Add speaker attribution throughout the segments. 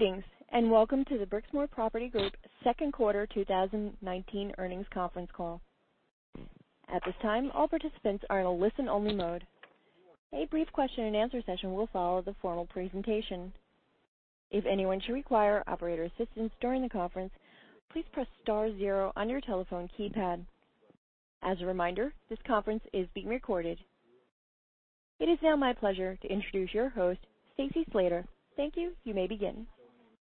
Speaker 1: Greetings, welcome to the Brixmor Property Group second quarter 2019 earnings conference call. At this time, all participants are in a listen-only mode. A brief question-and-answer session will follow the formal presentation. If anyone should require operator assistance during the conference, please press star zero on your telephone keypad. As a reminder, this conference is being recorded. It is now my pleasure to introduce your host, Stacy Slater. Thank you. You may begin.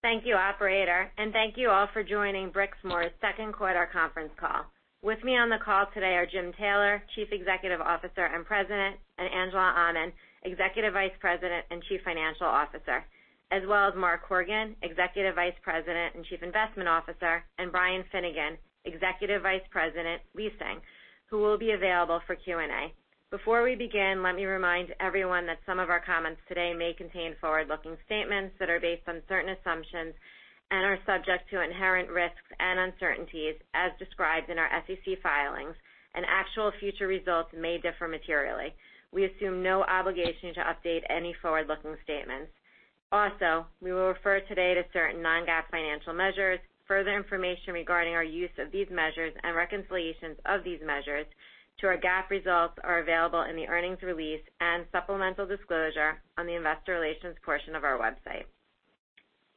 Speaker 2: Thank you, operator, and thank you all for joining Brixmor's second quarter conference call. With me on the call today are Jim Taylor, Chief Executive Officer and President, and Angela Aman, Executive Vice President and Chief Financial Officer, as well as Mark Horgan, Executive Vice President and Chief Investment Officer, and Brian Finnegan, Executive Vice President, Leasing, who will be available for Q&A. Before we begin, let me remind everyone that some of our comments today may contain forward-looking statements that are based on certain assumptions and are subject to inherent risks and uncertainties as described in our SEC filings, and actual future results may differ materially. We assume no obligation to update any forward-looking statements. Also, we will refer today to certain non-GAAP financial measures. Further information regarding our use of these measures and reconciliations of these measures to our GAAP results are available in the earnings release and supplemental disclosure on the investor relations portion of our website.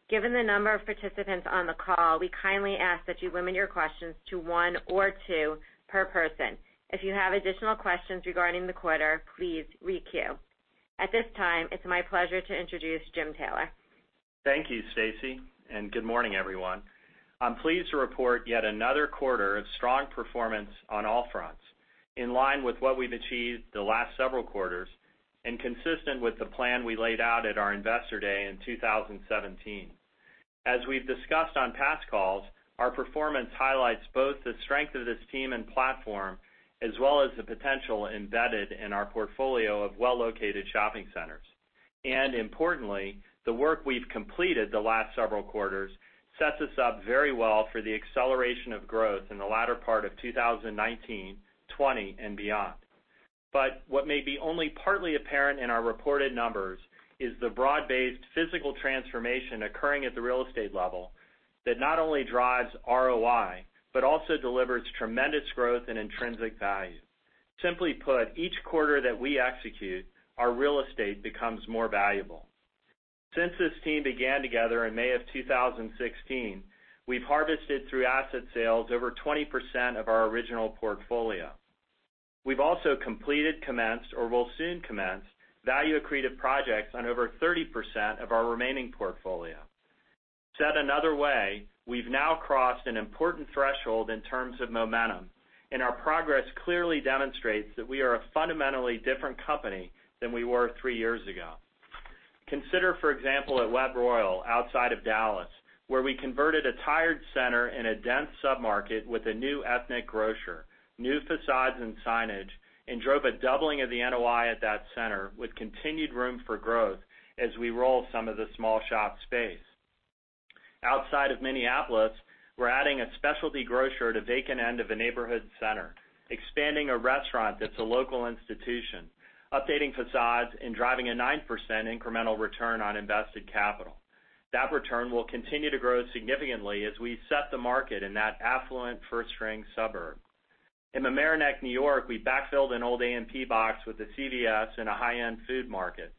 Speaker 2: Given the number of participants on the call, we kindly ask that you limit your questions to one or two per person. If you have additional questions regarding the quarter, please re-queue. At this time, it's my pleasure to introduce Jim Taylor.
Speaker 3: Thank you, Stacy, and good morning, everyone. I'm pleased to report yet another quarter of strong performance on all fronts, in line with what we've achieved the last several quarters and consistent with the plan we laid out at our investor day in 2017. As we've discussed on past calls, our performance highlights both the strength of this team and platform, as well as the potential embedded in our portfolio of well-located shopping centers. Importantly, the work we've completed the last several quarters sets us up very well for the acceleration of growth in the latter part of 2019, 2020, and beyond. What may be only partly apparent in our reported numbers is the broad-based physical transformation occurring at the real estate level that not only drives ROI, but also delivers tremendous growth and intrinsic value. Simply put, each quarter that we execute, our real estate becomes more valuable. Since this team began together in May of 2016, we've harvested through asset sales over 20% of our original portfolio. We've also completed, commenced, or will soon commence value-accretive projects on over 30% of our remaining portfolio. Said another way, we've now crossed an important threshold in terms of momentum, and our progress clearly demonstrates that we are a fundamentally different company than we were three years ago. Consider, for example, at Webb Royal, outside of Dallas, where we converted a tired center in a dense submarket with a new ethnic grocer, new facades and signage, and drove a doubling of the NOI at that center with continued room for growth as we roll some of the small shop space. Outside of Minneapolis, we're adding a specialty grocer to vacant end of a neighborhood center, expanding a restaurant that's a local institution, updating facades, and driving a 9% incremental return on invested capital. That return will continue to grow significantly as we set the market in that affluent first-ring suburb. In Mamaroneck, New York, we backfilled an old A&P box with a CVS and a high-end food market,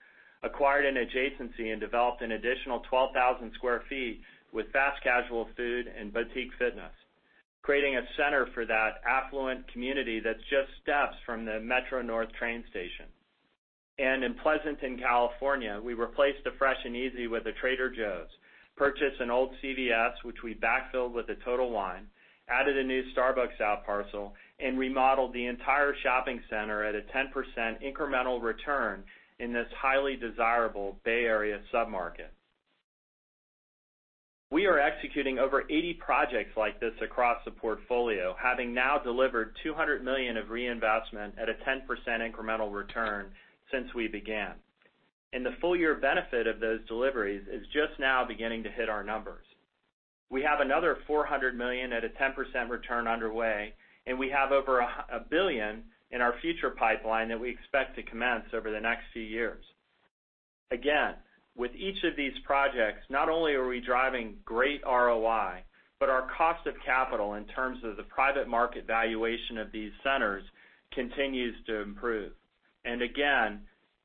Speaker 3: acquired an adjacency, and developed an additional 12,000 sq ft with fast casual food and boutique fitness, creating a center for that affluent community that's just steps from the Metro-North train station. In Pleasanton, California, we replaced a Fresh & Easy with a Trader Joe's, purchased an old CVS which we backfilled with a Total Wine, added a new Starbucks outparcel, and remodeled the entire shopping center at a 10% incremental return in this highly desirable Bay Area submarket. We are executing over 80 projects like this across the portfolio, having now delivered $200 million of reinvestment at a 10% incremental return since we began. The full year benefit of those deliveries is just now beginning to hit our numbers. We have another $400 million at a 10% return underway, and we have over $1 billion in our future pipeline that we expect to commence over the next few years. Again, with each of these projects, not only are we driving great ROI, but our cost of capital in terms of the private market valuation of these centers continues to improve. Again,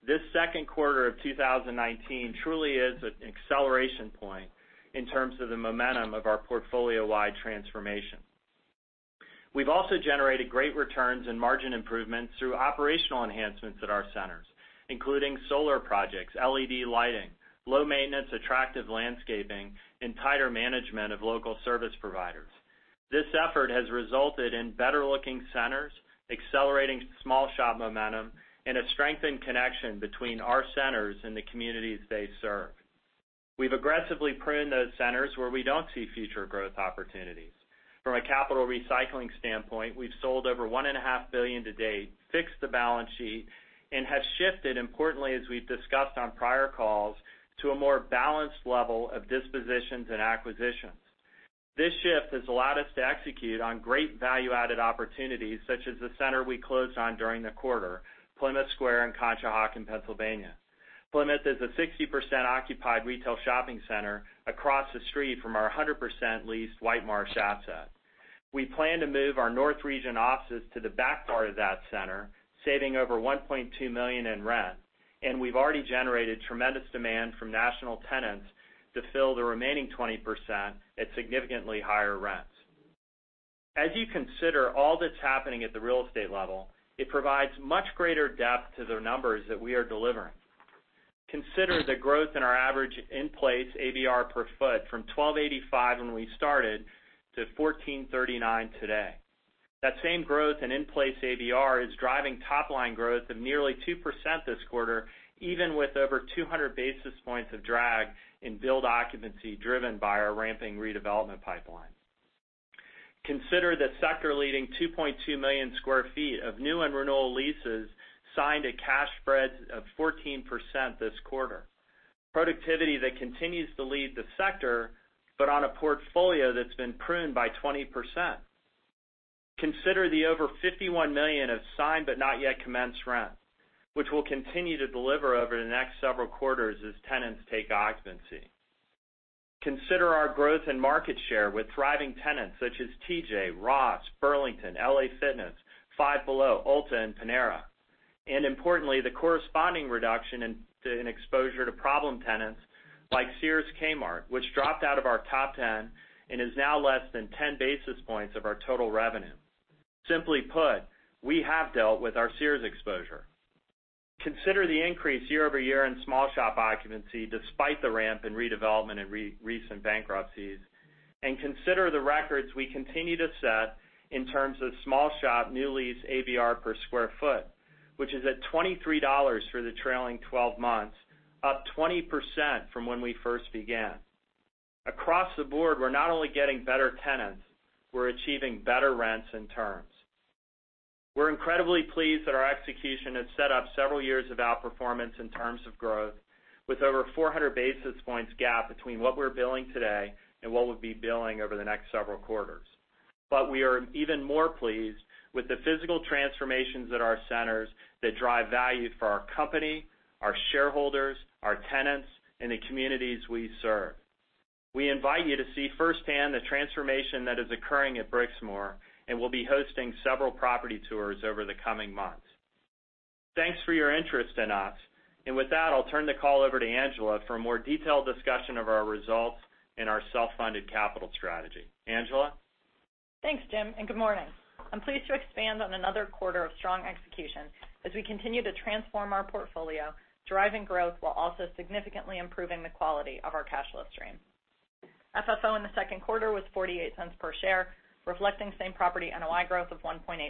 Speaker 3: this second quarter of 2019 truly is an acceleration point in terms of the momentum of our portfolio-wide transformation. We've also generated great returns and margin improvements through operational enhancements at our centers, including solar projects, LED lighting, low maintenance, attractive landscaping, and tighter management of local service providers. This effort has resulted in better-looking centers, accelerating small shop momentum, and a strengthened connection between our centers and the communities they serve. We've aggressively pruned those centers where we don't see future growth opportunities. From a capital recycling standpoint, we've sold over $1.5 billion to date, fixed the balance sheet, and have shifted, importantly as we've discussed on prior calls, to a more balanced level of dispositions and acquisitions. This shift has allowed us to execute on great value-added opportunities, such as the center we closed on during the quarter, Plymouth Square in Conshohocken, Pennsylvania. Plymouth is a 60%-occupied retail shopping center across the street from our 100%-leased Whitemarsh asset. We plan to move our north region offices to the back part of that center, saving over $1.2 million in rent. We've already generated tremendous demand from national tenants to fill the remaining 20% at significantly higher rents. As you consider all that's happening at the real estate level, it provides much greater depth to the numbers that we are delivering. Consider the growth in our average in-place ABR per foot from $12.85 when we started to $14.39 today. That same growth in in-place ABR is driving top-line growth of nearly 2% this quarter, even with over 200 basis points of drag in build occupancy driven by our ramping redevelopment pipeline. Consider the sector-leading 2.2 million sq ft of new and renewal leases signed a cash spread of 14% this quarter. Productivity that continues to lead the sector, on a portfolio that's been pruned by 20%. Consider the over $51 million of signed but not yet commenced rent, which we'll continue to deliver over the next several quarters as tenants take occupancy. Consider our growth in market share with thriving tenants such as TJ, Ross, Burlington, LA Fitness, Five Below, Ulta, and Panera. Importantly, the corresponding reduction in exposure to problem tenants like Sears Kmart, which dropped out of our top 10 and is now less than 10 basis points of our total revenue. Simply put, we have dealt with our Sears exposure. Consider the increase year-over-year in small shop occupancy despite the ramp in redevelopment and recent bankruptcies. Consider the records we continue to set in terms of small shop new lease ABR per square foot, which is at $23 for the trailing 12 months, up 20% from when we first began. Across the board, we're not only getting better tenants, we're achieving better rents and terms. We're incredibly pleased that our execution has set up several years of outperformance in terms of growth, with over 400 basis points gap between what we're billing today and what we'll be billing over the next several quarters. We are even more pleased with the physical transformations at our centers that drive value for our company, our shareholders, our tenants, and the communities we serve. We invite you to see firsthand the transformation that is occurring at Brixmor, and we'll be hosting several property tours over the coming months. Thanks for your interest in us. With that, I'll turn the call over to Angela for a more detailed discussion of our results and our self-funded capital strategy. Angela?
Speaker 4: Thanks, Jim, and good morning. I'm pleased to expand on another quarter of strong execution as we continue to transform our portfolio, driving growth while also significantly improving the quality of our cash flow stream. FFO in the second quarter was $0.48 per share, reflecting same-property NOI growth of 1.8%.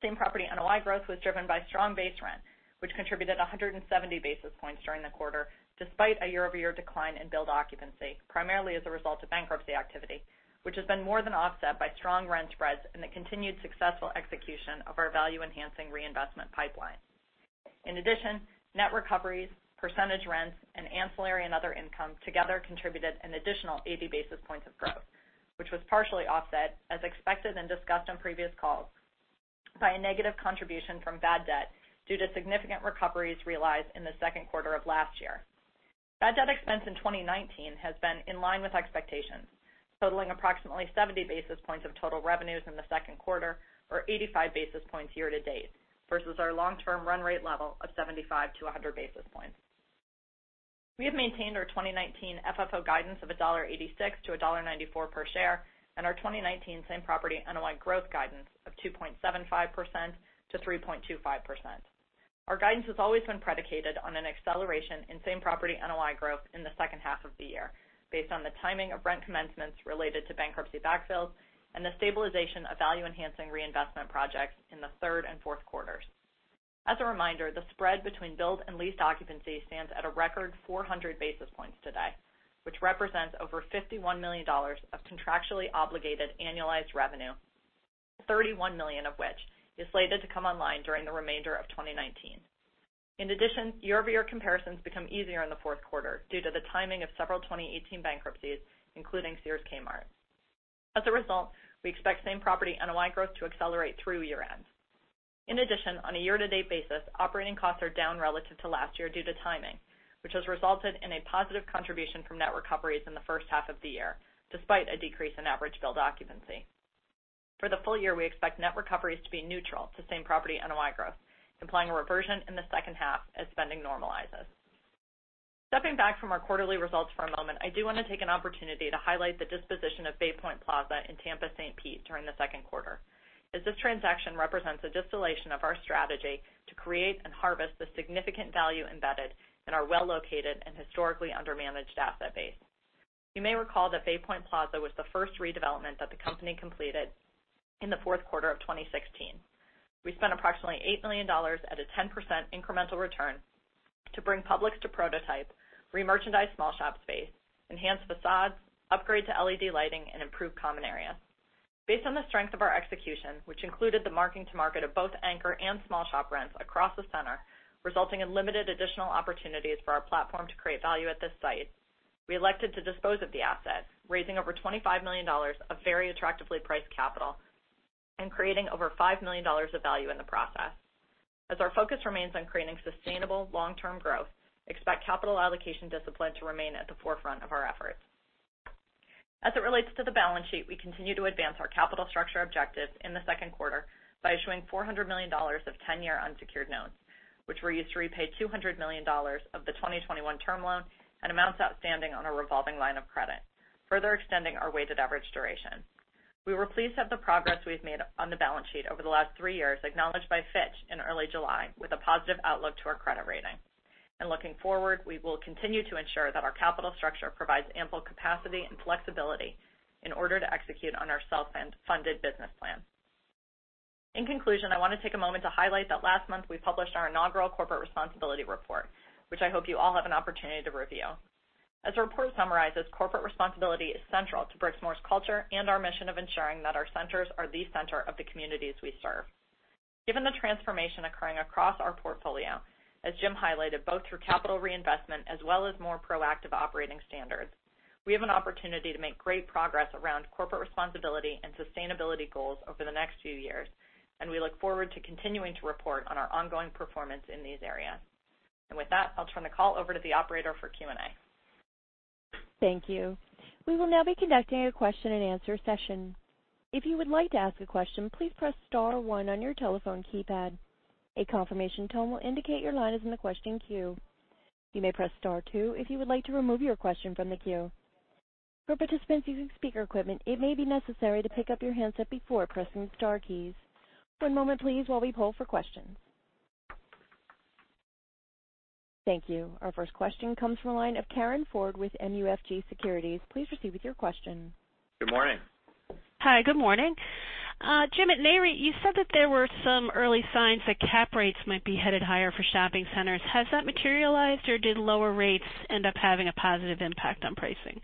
Speaker 4: Same-property NOI growth was driven by strong base rent, which contributed 170 basis points during the quarter, despite a year-over-year decline in build occupancy, primarily as a result of bankruptcy activity, which has been more than offset by strong rent spreads and the continued successful execution of our value-enhancing reinvestment pipeline. In addition, net recoveries, percentage rents, and ancillary and other income together contributed an additional 80 basis points of growth, which was partially offset, as expected and discussed on previous calls, by a negative contribution from bad debt due to significant recoveries realized in the second quarter of last year. Bad debt expense in 2019 has been in line with expectations, totaling approximately 70 basis points of total revenues in the second quarter or 85 basis points year to date versus our long-term run rate level of 75-100 basis points. We have maintained our 2019 FFO guidance of $1.86-$1.94 per share and our 2019 same-property NOI growth guidance of 2.75%-3.25%. Our guidance has always been predicated on an acceleration in same-property NOI growth in the second half of the year based on the timing of rent commencements related to bankruptcy backfills and the stabilization of value-enhancing reinvestment projects in the third and fourth quarters. As a reminder, the spread between build and leased occupancy stands at a record 400 basis points today, which represents over $51 million of contractually obligated annualized revenue, $31 million of which is slated to come online during the remainder of 2019. In addition, year-over-year comparisons become easier in the fourth quarter due to the timing of several 2018 bankruptcies, including Sears Kmart. As a result, we expect same-property NOI growth to accelerate through year-end. In addition, on a year-to-date basis, operating costs are down relative to last year due to timing, which has resulted in a positive contribution from net recoveries in the first half of the year, despite a decrease in average build occupancy. For the full year, we expect net recoveries to be neutral to same-property NOI growth, implying a reversion in the second half as spending normalizes. Stepping back from our quarterly results for a moment, I do want to take an opportunity to highlight the disposition of Bay Point Plaza in Tampa, St. Pete during the second quarter, as this transaction represents a distillation of our strategy to create and harvest the significant value embedded in our well-located and historically under-managed asset base. You may recall that Bay Point Plaza was the first redevelopment that the company completed in the fourth quarter of 2016. We spent approximately $8 million at a 10% incremental return to bring Publix to prototype, remerchandise small shop space, enhance facades, upgrade to LED lighting, and improve common areas. Based on the strength of our execution, which included the marking to market of both anchor and small shop rents across the center, resulting in limited additional opportunities for our platform to create value at this site, we elected to dispose of the asset, raising over $25 million of very attractively priced capital and creating over $5 million of value in the process. As our focus remains on creating sustainable long-term growth, expect capital allocation discipline to remain at the forefront of our efforts. As it relates to the balance sheet, we continue to advance our capital structure objectives in the second quarter by issuing $400 million of 10-year unsecured notes, which were used to repay $200 million of the 2021 term loan and amounts outstanding on a revolving line of credit, further extending our weighted average duration. We were pleased at the progress we've made on the balance sheet over the last three years, acknowledged by Fitch in early July with a positive outlook to our credit rating. Looking forward, we will continue to ensure that our capital structure provides ample capacity and flexibility in order to execute on our self-funded business plan. In conclusion, I want to take a moment to highlight that last month we published our inaugural corporate responsibility report, which I hope you all have an opportunity to review. As the report summarizes, corporate responsibility is central to Brixmor's culture and our mission of ensuring that our centers are the center of the communities we serve. Given the transformation occurring across our portfolio, as Jim highlighted, both through capital reinvestment as well as more proactive operating standards, we have an opportunity to make great progress around corporate responsibility and sustainability goals over the next few years. We look forward to continuing to report on our ongoing performance in these areas. With that, I'll turn the call over to the operator for Q&A.
Speaker 1: Thank you. We will now be conducting a question-and-answer session. If you would like to ask a question, please press star one on your telephone keypad. A confirmation tone will indicate your line is in the question queue. You may press star two if you would like to remove your question from the queue. For participants using speaker equipment, it may be necessary to pick up your handset before pressing the star keys. One moment please while we poll for questions. Thank you. Our first question comes from the line of Karin Ford with MUFG Securities. Please proceed with your question.
Speaker 3: Good morning.
Speaker 5: Hi. Good morning. Jim, at Nareit, you said that there were some early signs that cap rates might be headed higher for shopping centers. Has that materialized, or did lower rates end up having a positive impact on pricing?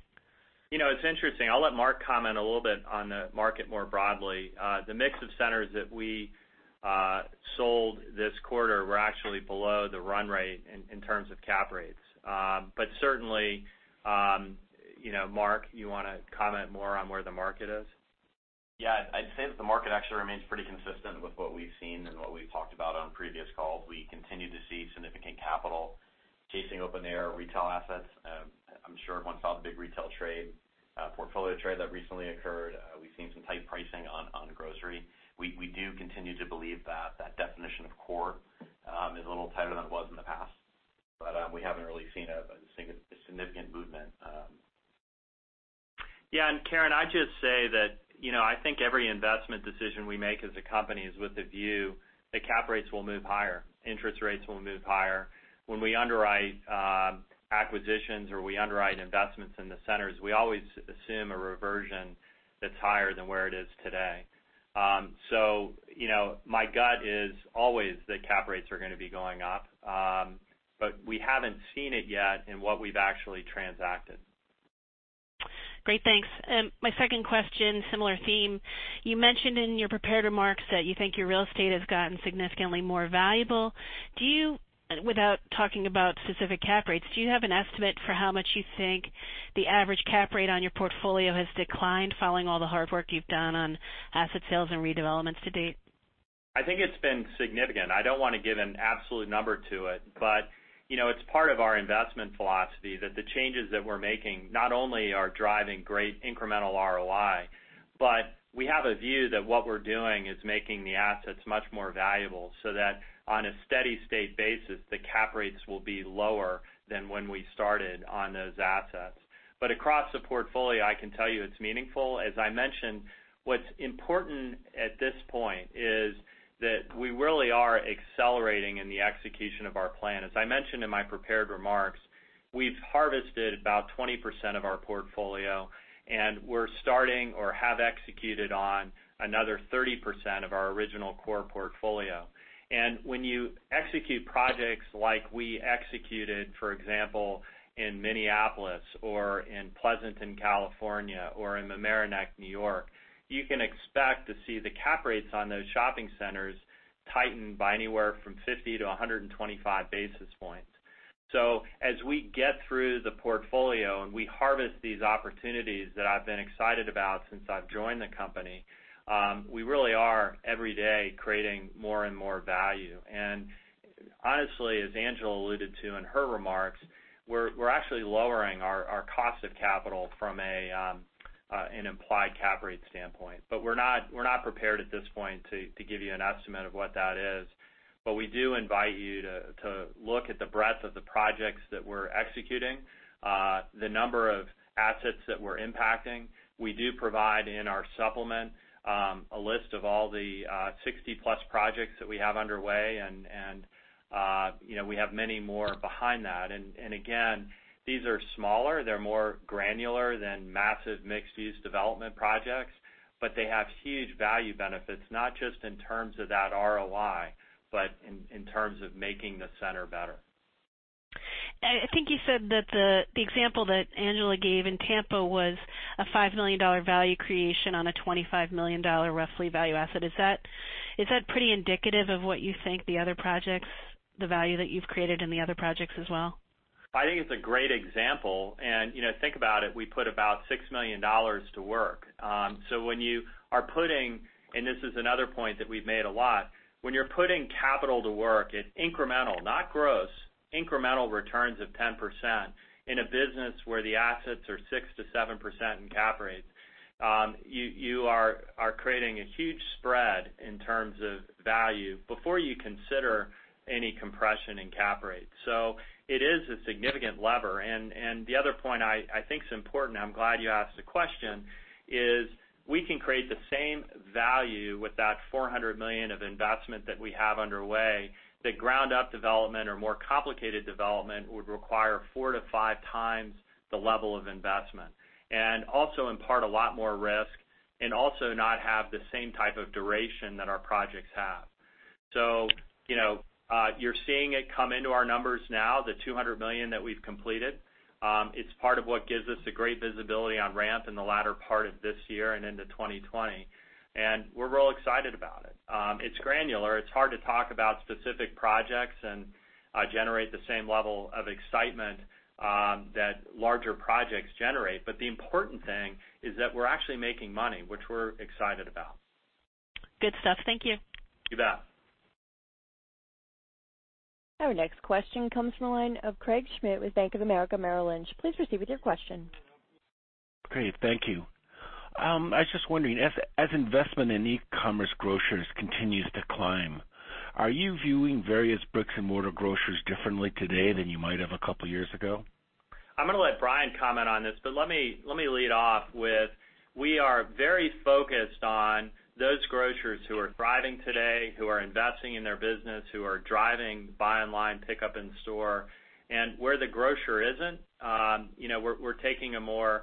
Speaker 3: It's interesting. I'll let Mark comment a little bit on the market more broadly. The mix of centers that we sold this quarter were actually below the run rate in terms of cap rates. Certainly, Mark, you want to comment more on where the market is?
Speaker 6: Yeah. I'd say that the market actually remains pretty consistent with what we've seen and what we've talked about on previous calls. We continue to see significant capital chasing open-air retail assets. I'm sure everyone saw the big retail trade, portfolio trade that recently occurred. We've seen some tight pricing on grocery. We do continue to believe that definition of core is a little tighter than it was in the past, but we haven't really seen a significant movement.
Speaker 3: Yeah. Karin, I'd just say that, I think every investment decision we make as a company is with the view that cap rates will move higher, interest rates will move higher. When we underwrite acquisitions or we underwrite investments in the centers, we always assume a reversion that's higher than where it is today. My gut is always that cap rates are going to be going up, but we haven't seen it yet in what we've actually transacted.
Speaker 5: Great. Thanks. My second question, similar theme. You mentioned in your prepared remarks that you think your real estate has gotten significantly more valuable. Without talking about specific cap rates, do you have an estimate for how much you think the average cap rate on your portfolio has declined following all the hard work you've done on asset sales and redevelopments to date?
Speaker 3: I think it's been significant. I don't want to give an absolute number to it, but it's part of our investment philosophy that the changes that we're making not only are driving great incremental ROI, but we have a view that what we're doing is making the assets much more valuable, so that on a steady state basis, the cap rates will be lower than when we started on those assets. Across the portfolio, I can tell you it's meaningful. As I mentioned, what's important at this point is that we really are accelerating in the execution of our plan. As I mentioned in my prepared remarks, we've harvested about 20% of our portfolio, and we're starting or have executed on another 30% of our original core portfolio. When you execute projects like we executed, for example, in Minneapolis or in Pleasanton, California, or in Mamaroneck, New York, you can expect to see the cap rates on those shopping centers tighten by anywhere from 50-125 basis points. As we get through the portfolio and we harvest these opportunities that I've been excited about since I've joined the company, we really are every day creating more and more value. Honestly, as Angela alluded to in her remarks, we're actually lowering our cost of capital from an implied cap rate standpoint. We're not prepared at this point to give you an estimate of what that is. We do invite you to look at the breadth of the projects that we're executing, the number of assets that we're impacting. We do provide in our supplement, a list of all the 60+ projects that we have underway, and we have many more behind that. Again, these are smaller, they're more granular than massive mixed-use development projects, but they have huge value benefits, not just in terms of that ROI, but in terms of making the center better.
Speaker 5: I think you said that the example that Angela gave in Tampa was a $5 million value creation on a $25 million roughly value asset. Is that pretty indicative of what you think the value that you've created in the other projects as well?
Speaker 3: I think it's a great example. Think about it, we put about $6 million to work. When you are putting, and this is another point that we've made a lot, when you're putting capital to work at incremental, not gross, incremental returns of 10% in a business where the assets are 6%-7% in cap rates, you are creating a huge spread in terms of value before you consider any compression in cap rates. It is a significant lever. The other point I think is important, I'm glad you asked the question, is we can create the same value with that $400 million of investment that we have underway, that ground-up development or more complicated development would require four to five times the level of investment. Also impart a lot more risk, and also not have the same type of duration that our projects have. You're seeing it come into our numbers now, the $200 million that we've completed. It's part of what gives us a great visibility on ramp in the latter part of this year and into 2020. We're real excited about it. It's granular. It's hard to talk about specific projects and generate the same level of excitement that larger projects generate. The important thing is that we're actually making money, which we're excited about.
Speaker 5: Good stuff. Thank you.
Speaker 1: Our next question comes from the line of Craig Schmidt with Bank of America Merrill Lynch. Please proceed with your question.
Speaker 7: Great. Thank you. I was just wondering, as investment in e-commerce grocers continues to climb, are you viewing various bricks-and-mortar grocers differently today than you might have a couple of years ago?
Speaker 3: I'm going to let Brian comment on this, but let me lead off with, we are very focused on those grocers who are thriving today, who are investing in their business, who are driving buy online, pick up in store. Where the grocer isn't, we're taking a more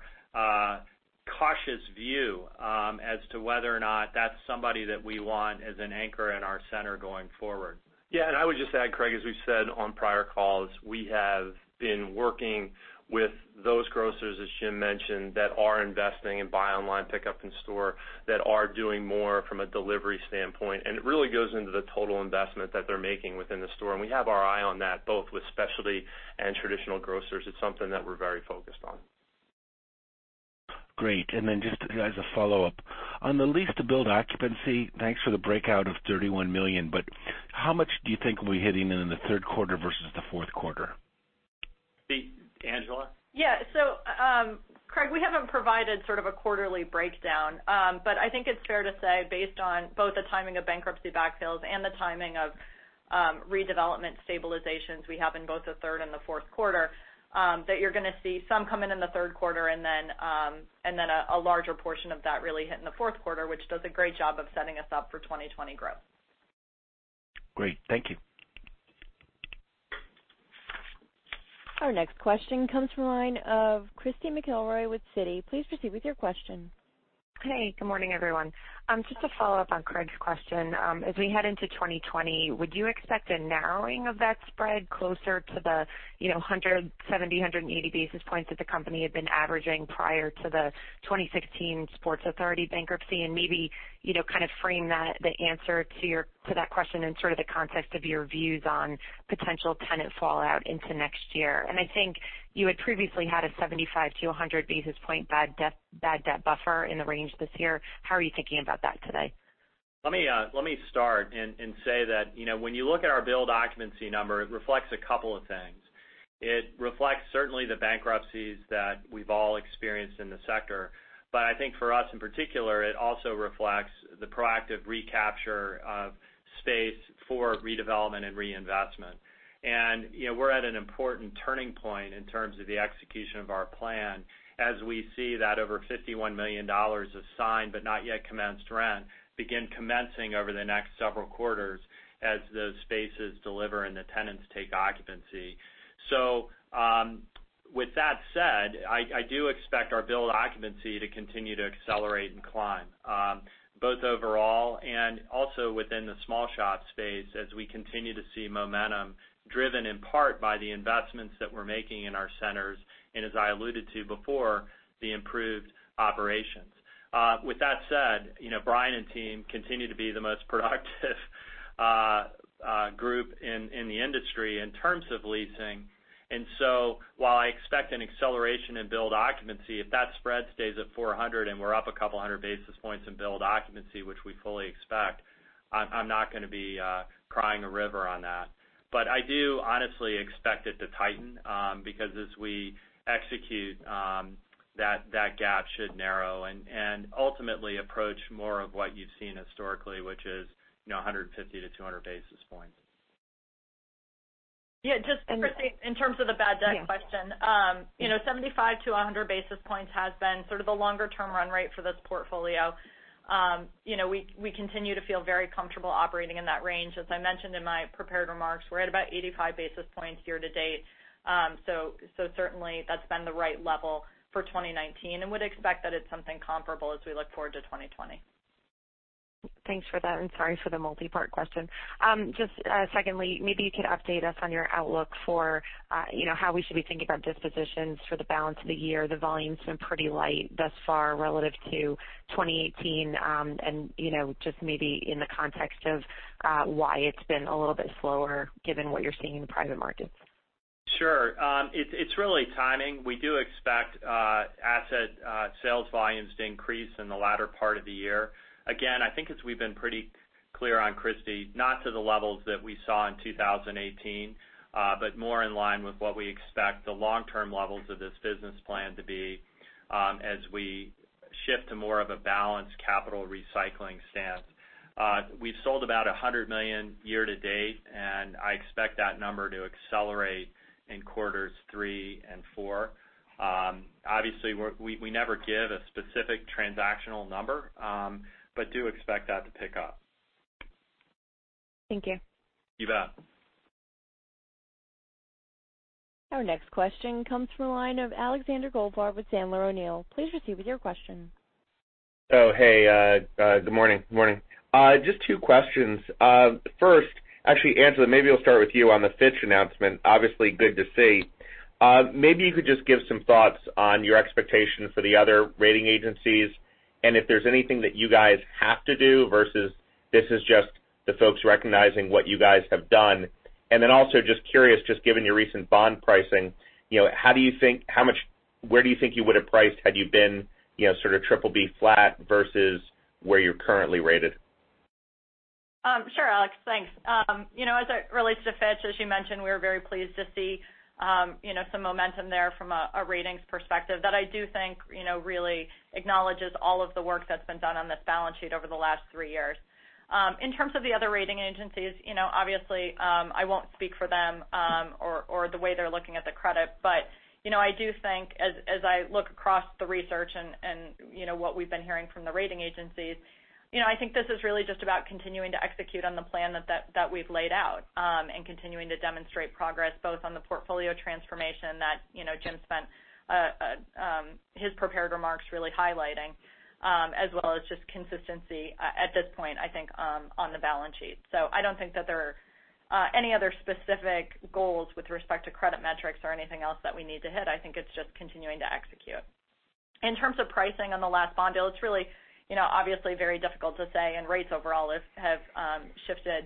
Speaker 3: cautious view as to whether or not that's somebody that we want as an anchor in our center going forward.
Speaker 8: I would just add, Craig, as we've said on prior calls, we have been working with those grocers, as Jim mentioned, that are investing in buy online, pick up in store, that are doing more from a delivery standpoint. It really goes into the total investment that they're making within the store. We have our eye on that, both with specialty and traditional grocers. It's something that we're very focused on.
Speaker 7: Great. Just as a follow-up. On the lease to build occupancy, thanks for the breakout of $31 million, how much do you think we'll be hitting it in the third quarter versus the fourth quarter?
Speaker 3: Angela?
Speaker 4: Yeah. Craig, we haven't provided sort of a quarterly breakdown. I think it's fair to say, based on both the timing of bankruptcy backfills and the timing of redevelopment stabilizations we have in both the third and the fourth quarter, that you're going to see some come in the third quarter and then a larger portion of that really hit in the fourth quarter, which does a great job of setting us up for 2020 growth.
Speaker 7: Great. Thank you.
Speaker 1: Our next question comes from the line of Christy McElroy with Citi. Please proceed with your question.
Speaker 9: Hey, good morning, everyone. Just to follow up on Craig's question. As we head into 2020, would you expect a narrowing of that spread closer to the 170, 180 basis points that the company had been averaging prior to the 2016 Sports Authority bankruptcy? Maybe, kind of frame the answer to that question in sort of the context of your views on potential tenant fallout into next year. I think you had previously had a 75-100 basis point bad debt buffer in the range this year. How are you thinking about that today?
Speaker 3: Let me start and say that, when you look at our build occupancy number, it reflects a couple of things. It reflects certainly the bankruptcies that we've all experienced in the sector. I think for us, in particular, it also reflects the proactive recapture of space for redevelopment and reinvestment. We're at an important turning point in terms of the execution of our plan as we see that over $51 million of signed but not yet commenced rent begin commencing over the next several quarters as those spaces deliver and the tenants take occupancy. With that said, I do expect our build occupancy to continue to accelerate and climb. Both overall and also within the small shop space as we continue to see momentum driven in part by the investments that we're making in our centers, and as I alluded to before, the improved operations. With that said, Brian and team continue to be the most productive group in the industry in terms of leasing. While I expect an acceleration in build occupancy, if that spread stays at 400 and we're up a couple of hundred basis points in build occupancy, which we fully expect, I'm not going to be crying a river on that. I do honestly expect it to tighten, because as we execute, that gap should narrow and ultimately approach more of what you've seen historically, which is 150-200 basis points.
Speaker 4: Just Christy, in terms of the bad debt question. 75-100 basis points has been sort of the longer-term run rate for this portfolio. We continue to feel very comfortable operating in that range. As I mentioned in my prepared remarks, we're at about 85 basis points year to date. Certainly that's been the right level for 2019 and would expect that it's something comparable as we look forward to 2020.
Speaker 9: Thanks for that, and sorry for the multipart question. Just secondly, maybe you could update us on your outlook for how we should be thinking about dispositions for the balance of the year. The volume's been pretty light thus far relative to 2018. Just maybe in the context of why it's been a little bit slower given what you're seeing in the private markets.
Speaker 3: Sure. It's really timing. We do expect asset sales volumes to increase in the latter part of the year. Again, I think as we've been pretty clear on, Christy, not to the levels that we saw in 2018, but more in line with what we expect the long-term levels of this business plan to be as we shift to more of a balanced capital recycling stance. We've sold about $100 million year-to-date, and I expect that number to accelerate in quarters three and four. Obviously, we never give a specific transactional number, but do expect that to pick up.
Speaker 9: Thank you.
Speaker 1: Our next question comes from the line of Alexander Goldfarb with Sandler O'Neill. Please proceed with your question.
Speaker 10: Oh, hey. Good morning. Just two questions. First, actually, Angela, maybe I'll start with you on the Fitch announcement. Obviously, good to see. Maybe you could just give some thoughts on your expectations for the other rating agencies, and if there's anything that you guys have to do versus this is just the folks recognizing what you guys have done. Also just curious, just given your recent bond pricing, where do you think you would've priced had you been sort of BBB flat versus where you're currently rated?
Speaker 4: Su re, Alex. Thanks. As it relates to Fitch, as you mentioned, we were very pleased to see some momentum there from a ratings perspective that I do think really acknowledges all of the work that's been done on this balance sheet over the last three years. In terms of the other rating agencies, obviously, I won't speak for them, or the way they're looking at the credit, I do think as I look across the research and what we've been hearing from the rating agencies, I think this is really just about continuing to execute on the plan that we've laid out. Continuing to demonstrate progress both on the portfolio transformation that Jim spent his prepared remarks really highlighting, as well as just consistency, at this point, I think, on the balance sheet. I don't think that there are any other specific goals with respect to credit metrics or anything else that we need to hit. In terms of pricing on the last bond deal, it's really obviously very difficult to say, and rates overall have shifted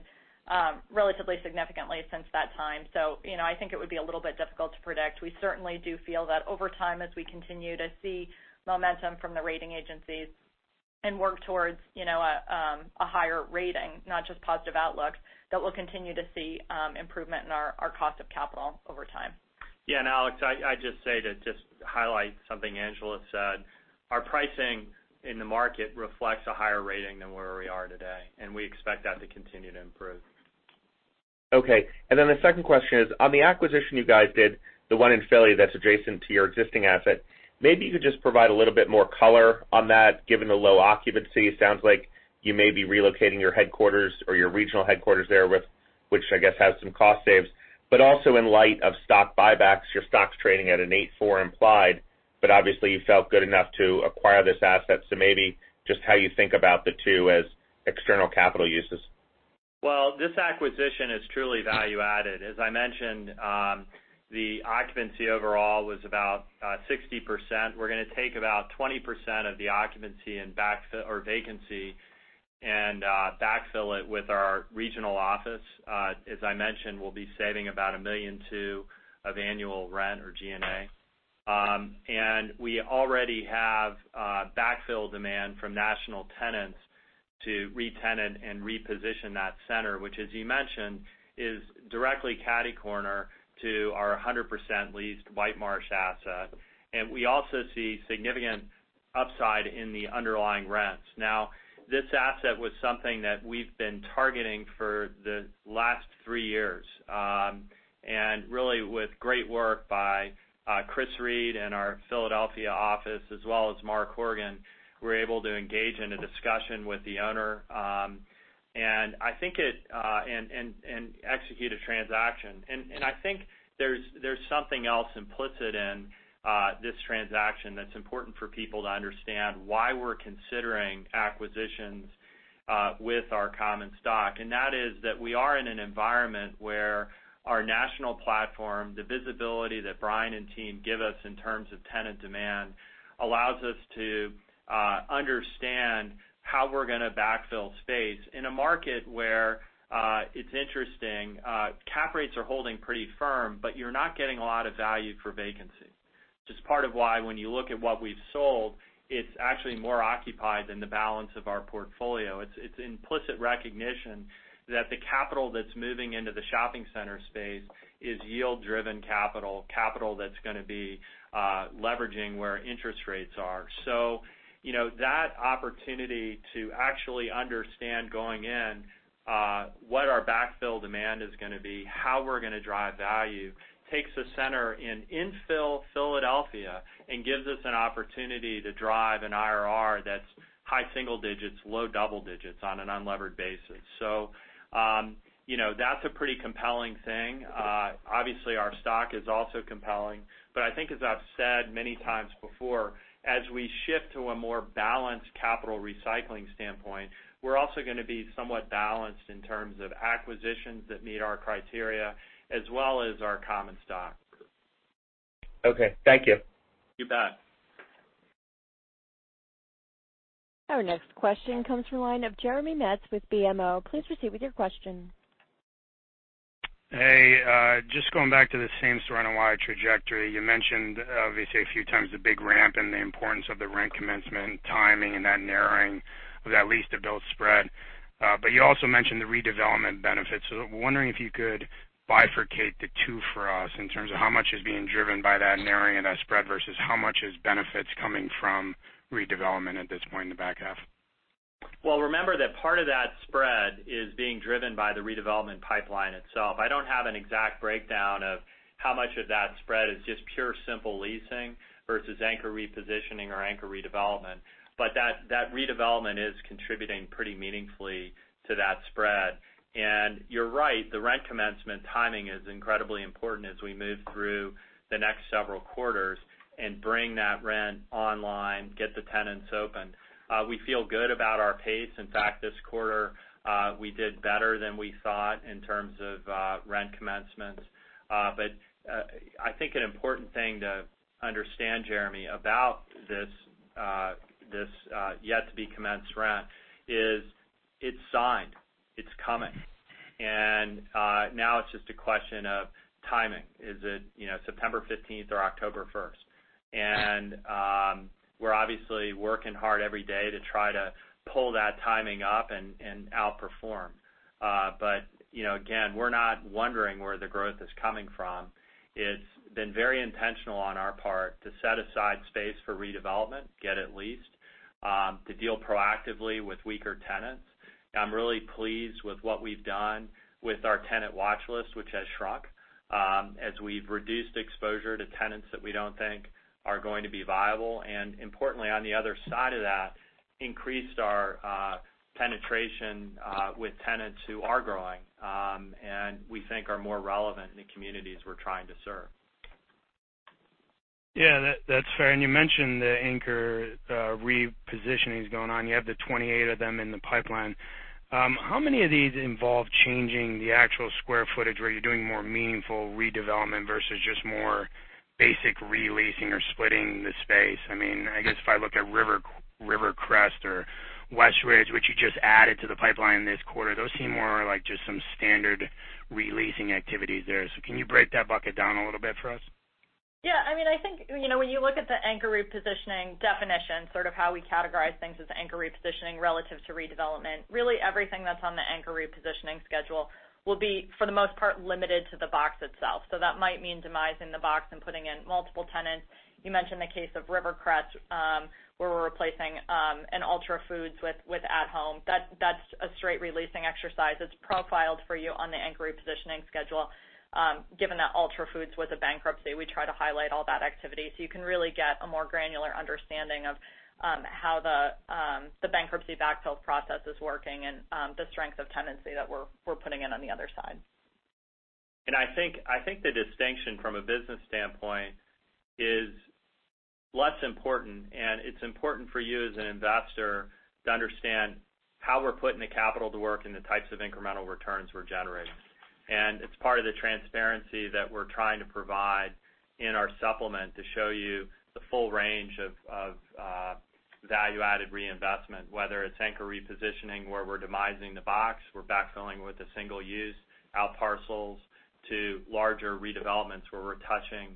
Speaker 4: relatively significantly since that time. I think it would be a little bit difficult to predict. We certainly do feel that over time, as we continue to see momentum from the rating agencies and work towards a higher rating, not just positive outlooks, that we'll continue to see improvement in our cost of capital over time.
Speaker 3: Alex, I'd just say to just highlight something Angela said, our pricing in the market reflects a higher rating than where we are today, and we expect that to continue to improve.
Speaker 10: The second question is, on the acquisition you guys did, the one in Philly that's adjacent to your existing asset, maybe you could just provide a little bit more color on that, given the low occupancy. It sounds like you may be relocating your headquarters or your regional headquarters there, which I guess has some cost saves. Also in light of stock buybacks, your stock's trading at an 8.4 implied, but obviously you felt good enough to acquire this asset. Maybe just how you think about the two as external capital uses.
Speaker 3: Well, this acquisition is truly value added. As I mentioned, the occupancy overall was about 60%. We're going to take about 20% of the occupancy or vacancy and backfill it with our regional office. As I mentioned, we'll be saving about $1.2 million of annual rent or G&A. We already have backfill demand from national tenants to re-tenant and reposition that center, which as you mentioned, is directly catty-corner to our 100% leased Whitemarsh asset. We also see significant upside in the underlying rents. Now, this asset was something that we've been targeting for the last three years. Really with great work by Chris Reed and our Philadelphia office, as well as Mark Horgan, we were able to engage in a discussion with the owner and execute a transaction. I think there's something else implicit in this transaction that's important for people to understand why we're considering acquisitions with our common stock. That is that we are in an environment where our national platform, the visibility that Brian and team give us in terms of tenant demand, allows us to understand how we're going to backfill space in a market where it's interesting. Cap rates are holding pretty firm, but you're not getting a lot of value for vacancy. Which is part of why when you look at what we've sold, it's actually more occupied than the balance of our portfolio. It's implicit recognition that the capital that's moving into the shopping center space is yield-driven capital that's going to be leveraging where interest rates are. That opportunity to actually understand going in what our backfill demand is going to be, how we're going to drive value, takes a center in infill Philadelphia and gives us an opportunity to drive an IRR that's high single digits, low double digits on an unlevered basis. That's a pretty compelling thing. Obviously, our stock is also compelling, but I think as I've said many times before, as we shift to a more balanced capital recycling standpoint, we're also going to be somewhat balanced in terms of acquisitions that meet our criteria as well as our common stock.
Speaker 10: Okay. Thank you.
Speaker 1: Our next question comes from the line of Jeremy Metz with BMO. Please proceed with your question.
Speaker 11: Just going back to the same store NOI trajectory. You mentioned, obviously, a few times, the big ramp and the importance of the rent commencement timing and that narrowing of that leased to built spread. You also mentioned the redevelopment benefits. Wondering if you could bifurcate the two for us in terms of how much is being driven by that narrowing of that spread versus how much is benefits coming from redevelopment at this point in the back half.
Speaker 3: Well, remember that part of that spread is being driven by the redevelopment pipeline itself. I don't have an exact breakdown of how much of that spread is just pure simple leasing versus anchor repositioning or anchor redevelopment, but that redevelopment is contributing pretty meaningfully to that spread. You're right, the rent commencement timing is incredibly important as we move through the next several quarters and bring that rent online, get the tenants open. We feel good about our pace. In fact, this quarter, we did better than we thought in terms of rent commencement. I think an important thing to understand, Jeremy, about this yet-to-be-commenced rent is it's signed. It's coming. Now it's just a question of timing. Is it September 15th or October 1st? We're obviously working hard every day to try to pull that timing up and outperform. Again, we're not wondering where the growth is coming from. It's been very intentional on our part to set aside space for redevelopment, get it leased, to deal proactively with weaker tenants. I'm really pleased with what we've done with our tenant watch list, which has shrunk as we've reduced exposure to tenants that we don't think are going to be viable. Importantly, on the other side of that, increased our penetration with tenants who are growing, and we think are more relevant in the communities we're trying to serve.
Speaker 11: Yeah, that's fair. You mentioned the anchor repositionings going on. You have the 28 of them in the pipeline. How many of these involve changing the actual square footage where you're doing more meaningful redevelopment versus just more basic re-leasing or splitting the space? I guess if I look at Rivercrest or West Ridge, which you just added to the pipeline this quarter, those seem more like just some standard re-leasing activities there. Can you break that bucket down a little bit for us?
Speaker 4: Yeah, I think when you look at the anchor repositioning definition, sort of how we categorize things as anchor repositioning relative to redevelopment, really everything that's on the anchor repositioning schedule will be, for the most part, limited to the box itself. That might mean demising the box and putting in multiple tenants. You mentioned the case of Rivercrest, where we're replacing an Ultra Foods with At Home. That's a straight re-leasing exercise. It's profiled for you on the anchor repositioning schedule. Given that Ultra Foods was a bankruptcy, we try to highlight all that activity so you can really get a more granular understanding of how the bankruptcy backfill process is working and the strength of tenancy that we're putting in on the other side.
Speaker 3: I think the distinction from a business standpoint is less important, and it's important for you as an investor to understand how we're putting the capital to work and the types of incremental returns we're generating. It's part of the transparency that we're trying to provide in our supplement to show you the full range of value-added reinvestment, whether it's anchor repositioning, where we're demising the box, we're backfilling with a single use outparcels to larger redevelopments where we're touching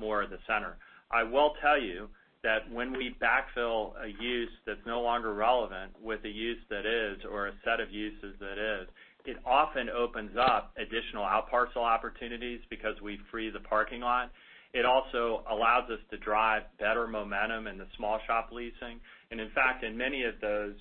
Speaker 3: more of the center. I will tell you that when we backfill a use that's no longer relevant with a use that is, or a set of uses that is, it often opens up additional outparcel opportunities because we free the parking lot. It also allows us to drive better momentum in the small shop leasing. In fact, in many of those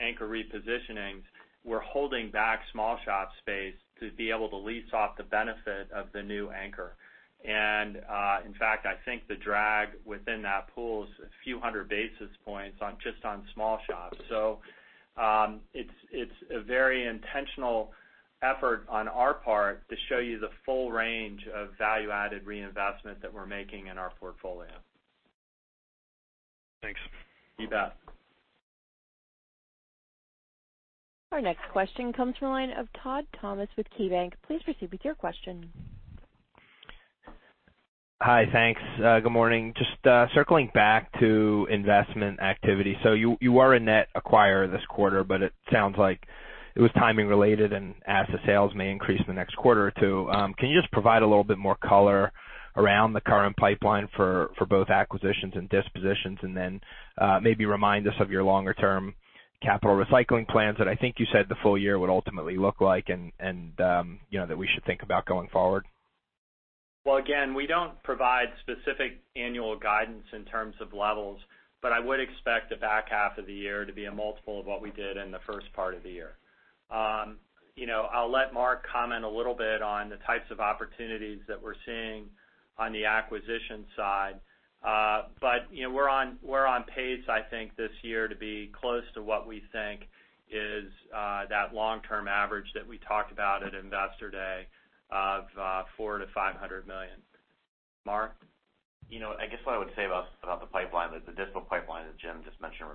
Speaker 3: anchor repositionings, we're holding back small shop space to be able to lease off the benefit of the new anchor. In fact, I think the drag within that pool is a few hundred basis points just on small shops. It's a very intentional effort on our part to show you the full range of value-added reinvestment that we're making in our portfolio.
Speaker 11: Thanks.
Speaker 1: Our next question comes from the line of Todd Thomas with KeyBanc. Please proceed with your question.
Speaker 12: Hi, thanks. Good morning. Just circling back to investment activity. You were a net acquirer this quarter, but it sounds like it was timing related and asset sales may increase in the next quarter or two. Can you just provide a little bit more color around the current pipeline for both acquisitions and dispositions, and then maybe remind us of your longer-term capital recycling plans that I think you said the full year would ultimately look like, and that we should think about going forward?
Speaker 3: Well, again, we don't provide specific annual guidance in terms of levels, but I would expect the back half of the year to be a multiple of what we did in the first part of the year. I'll let Mark comment a little bit on the types of opportunities that we're seeing on the acquisition side. We're on pace, I think, this year to be close to what we think is that long-term average that we talked about at Investor Day of $400 million-$500 million. Mark?
Speaker 6: I guess what I would say about the pipeline, the dispo pipeline that Jim just mentioned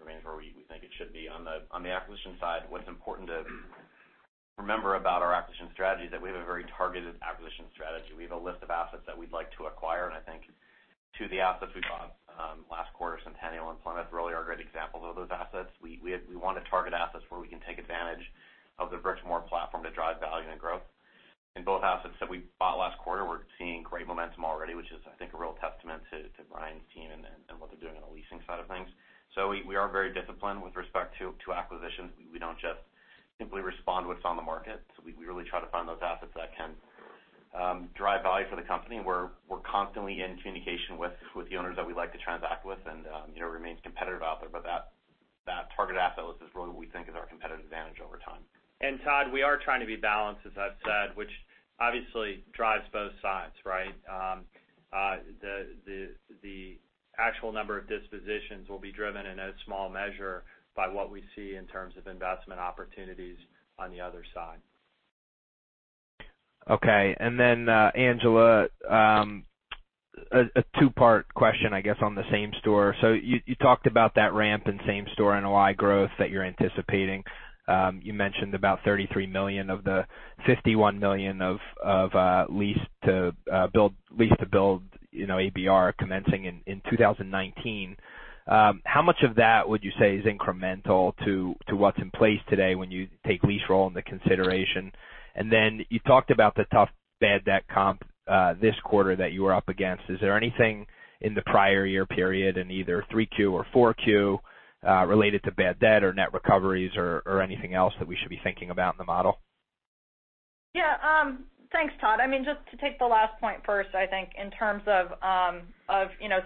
Speaker 6: remains where we think it should be. On the acquisition side, what's important to remember about our acquisition strategy that we have a very targeted acquisition strategy. We have a list of assets that we'd like to acquire, I think two of the assets we bought last quarter, Centennial and Plymouth, really are great examples of those assets. We want to target assets where we can take advantage of the Brixmor platform to drive value and growth. In both assets that we bought last quarter, we're seeing great momentum already, which is, I think, a real testament to Brian's team and what they're doing on the leasing side of things. We are very disciplined with respect to acquisitions. We don't just simply respond to what's on the market. We really try to find those assets that can drive value for the company, and we're constantly in communication with the owners that we like to transact with and remain competitive outlet. That target asset list is really what we think is our competitive advantage over time.
Speaker 3: Todd, we are trying to be balanced, as I've said, which obviously drives both sides, right? The actual number of dispositions will be driven in a small measure by what we see in terms of investment opportunities on the other side.
Speaker 12: Okay. Angela, a two-part question, I guess, on the same-store. You talked about that ramp in same-store NOI growth that you're anticipating. You mentioned about $33 million of the $51 million of lease to build ABR commencing in 2019. How much of that would you say is incremental to what's in place today when you take lease roll into consideration? You talked about the tough bad debt comp this quarter that you were up against. Is there anything in the prior year period in either 3Q or 4Q related to bad debt or net recoveries or anything else that we should be thinking about in the model?
Speaker 4: Yeah. Thanks, Todd. Just to take the last point first, I think in terms of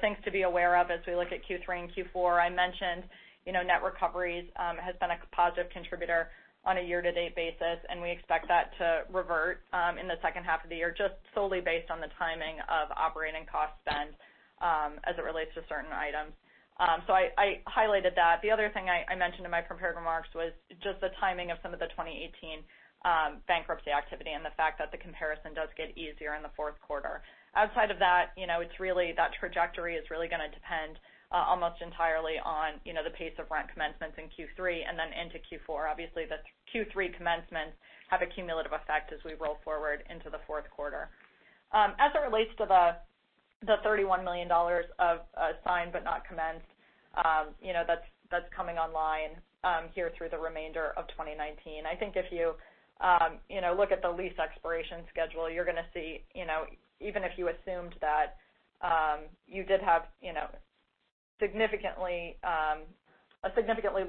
Speaker 4: things to be aware of as we look at Q3 and Q4, I mentioned net recoveries has been a positive contributor on a year-to-date basis, and we expect that to revert in the second half of the year, just solely based on the timing of operating cost spend as it relates to certain items. I highlighted that. The other thing I mentioned in my prepared remarks was just the timing of some of the 2018 bankruptcy activity and the fact that the comparison does get easier in the fourth quarter. Outside of that trajectory is really going to depend almost entirely on the pace of rent commencements in Q3 and then into Q4. Obviously, the Q3 commencements have a cumulative effect as we roll forward into the fourth quarter. As it relates to the $31 million of signed but not commenced that's coming online here through the remainder of 2019. I think if you look at the lease expiration schedule, you're going to see, even if you assumed that you did have a significantly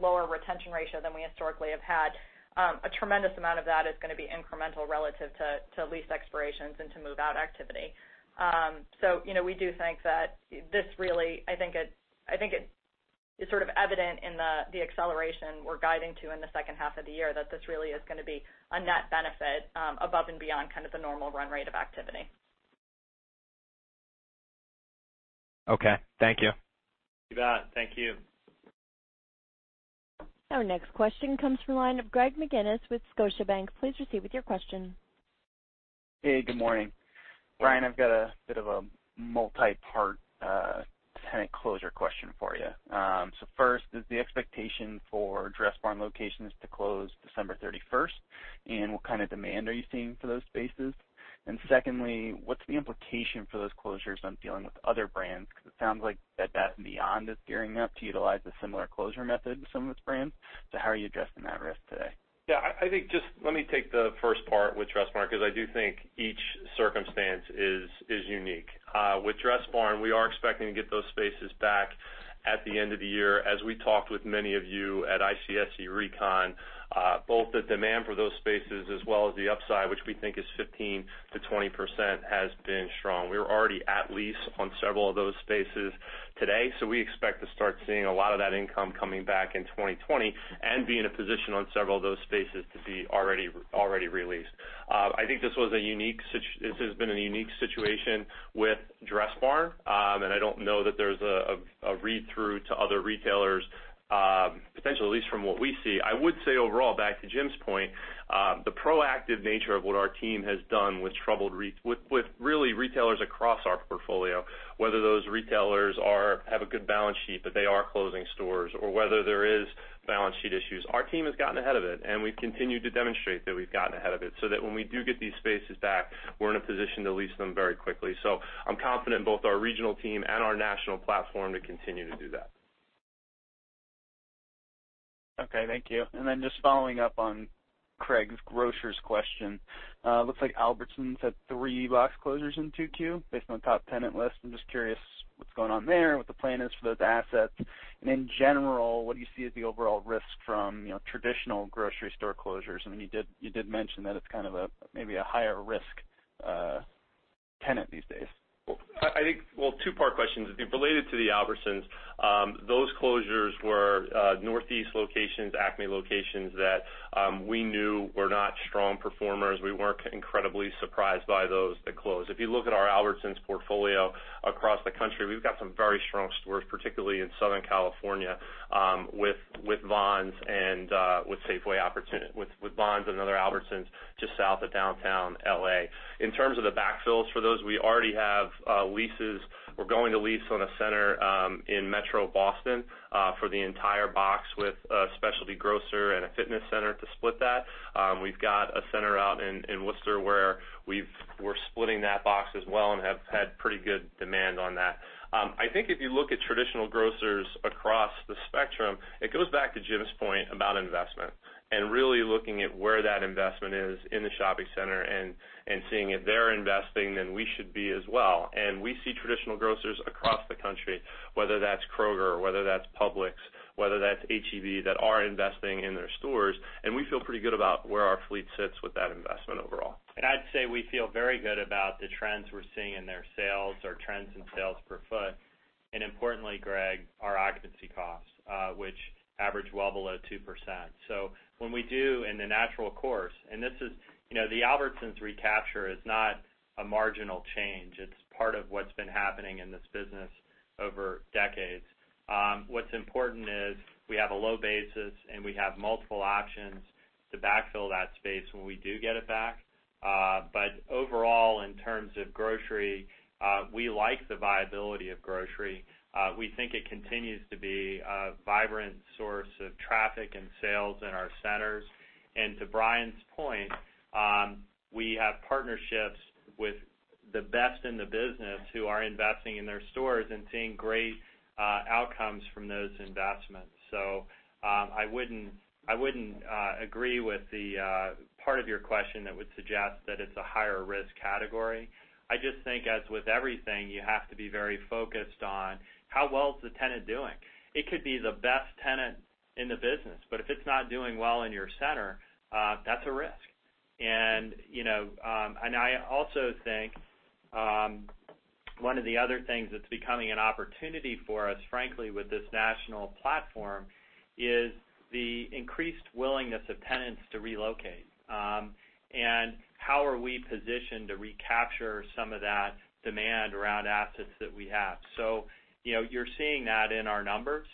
Speaker 4: lower retention ratio than we historically have had, a tremendous amount of that is going to be incremental relative to lease expirations and to move-out activity. We do think that this really, I think it is sort of evident in the acceleration we're guiding to in the second half of the year, that this really is going to be a net benefit above and beyond kind of the normal run rate of activity.
Speaker 12: Okay. Thank you.
Speaker 3: You bet. Thank you.
Speaker 1: Our next question comes from line of Greg McGinniss with Scotiabank. Please proceed with your question.
Speaker 13: Hey, good morning. Brian, I've got a bit of a multi-part tenant closure question for you. First, is the expectation for Dressbarn locations to close December 31st, and what kind of demand are you seeing for those spaces? Secondly, what's the implication for those closures on dealing with other brands? It sounds like Bed Bath & Beyond is gearing up to utilize a similar closure method with some of its brands. How are you addressing that risk today?
Speaker 8: Let me take the first part with Dressbarn, because I do think each circumstance is unique. With Dressbarn, we are expecting to get those spaces back at the end of the year. As we talked with many of you at ICSC RECon, both the demand for those spaces as well as the upside, which we think is 15%-20%, has been strong. We are already at lease on several of those spaces today, so we expect to start seeing a lot of that income coming back in 2020 and be in a position on several of those spaces to be already re-leased. I think this has been a unique situation with Dressbarn, and I don't know that there's a read-through to other retailers, potentially, at least from what we see. I would say overall, back to Jim's point, the proactive nature of what our team has done with really retailers across our portfolio, whether those retailers have a good balance sheet, but they are closing stores, or whether there is balance sheet issues. Our team has gotten ahead of it, and we've continued to demonstrate that we've gotten ahead of it so that when we do get these spaces back, we're in a position to lease them very quickly. I'm confident in both our regional team and our national platform to continue to do that.
Speaker 13: Okay, thank you. Just following up on Craig's grocers question. Looks like Albertsons had three box closures in 2Q based on the top tenant list. I'm just curious what's going on there, what the plan is for those assets. In general, what do you see as the overall risk from traditional grocery store closures? I mean, you did mention that it's kind of maybe a higher risk tenant these days.
Speaker 8: Well, two-part question. Related to the Albertsons, those closures were Northeast locations, ACME locations that we knew were not strong performers. We weren't incredibly surprised by those that closed. If you look at our Albertsons portfolio across the country, we've got some very strong stores, particularly in Southern California, with Vons and other Albertsons, just south of downtown L.A. In terms of the backfills for those, we already have leases. We're going to lease on a center in metro Boston for the entire box with a specialty grocer and a fitness center to split that. We've got a center out in Worcester where we're splitting that box as well, and have had pretty good demand on that. I think if you look at traditional grocers across the spectrum, it goes back to Jim's point about investment, really looking at where that investment is in the shopping center, and seeing if they're investing, then we should be as well. We see traditional grocers across the country, whether that's Kroger, whether that's Publix, whether that's H-E-B, that are investing in their stores. We feel pretty good about where our fleet sits with that investment overall.
Speaker 3: I'd say we feel very good about the trends we're seeing in their sales or trends in sales per foot. Importantly, Greg, our occupancy costs, which average well below 2%. When we do in the natural course, and the Albertsons recapture is not a marginal change. It's part of what's been happening in this business over decades. What's important is we have a low basis, and we have multiple options to backfill that space when we do get it back. Overall, in terms of grocery, we like the viability of grocery. We think it continues to be a vibrant source of traffic and sales in our centers. To Brian's point, we have partnerships with the best in the business who are investing in their stores and seeing great outcomes from those investments. I wouldn't agree with the part of your question that would suggest that it's a higher risk category. I just think, as with everything, you have to be very focused on how well is the tenant doing. It could be the best tenant in the business, but if it's not doing well in your center, that's a risk. I also think one of the other things that's becoming an opportunity for us, frankly, with this national platform, is the increased willingness of tenants to relocate. How are we positioned to recapture some of that demand around assets that we have? You're seeing that in our numbers.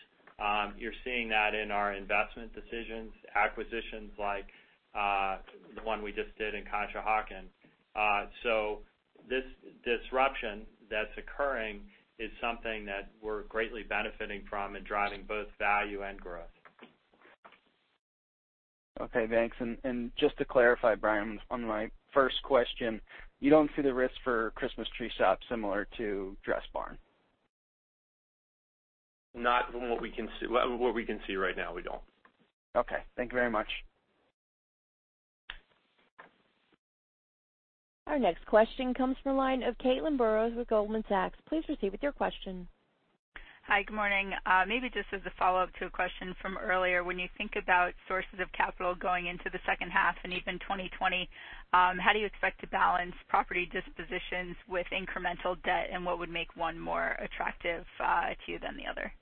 Speaker 3: You're seeing that in our investment decisions, acquisitions like the one we just did in Conshohocken. This disruption that's occurring is something that we're greatly benefiting from and driving both value and growth.
Speaker 13: Okay, thanks. Just to clarify, Brian, on my first question, you don't see the risk for Christmas Tree Shops similar to Dressbarn?
Speaker 8: Not from what we can see right now, we don't.
Speaker 13: Okay. Thank you very much.
Speaker 1: Our next question comes from the line of Caitlin Burrows with Goldman Sachs. Please proceed with your question.
Speaker 14: Hi, good morning. Just as a follow-up to a question from earlier, when you think about sources of capital going into the second half and even 2020, how do you expect to balance property dispositions with incremental debt, and what would make one more attractive to you than the other?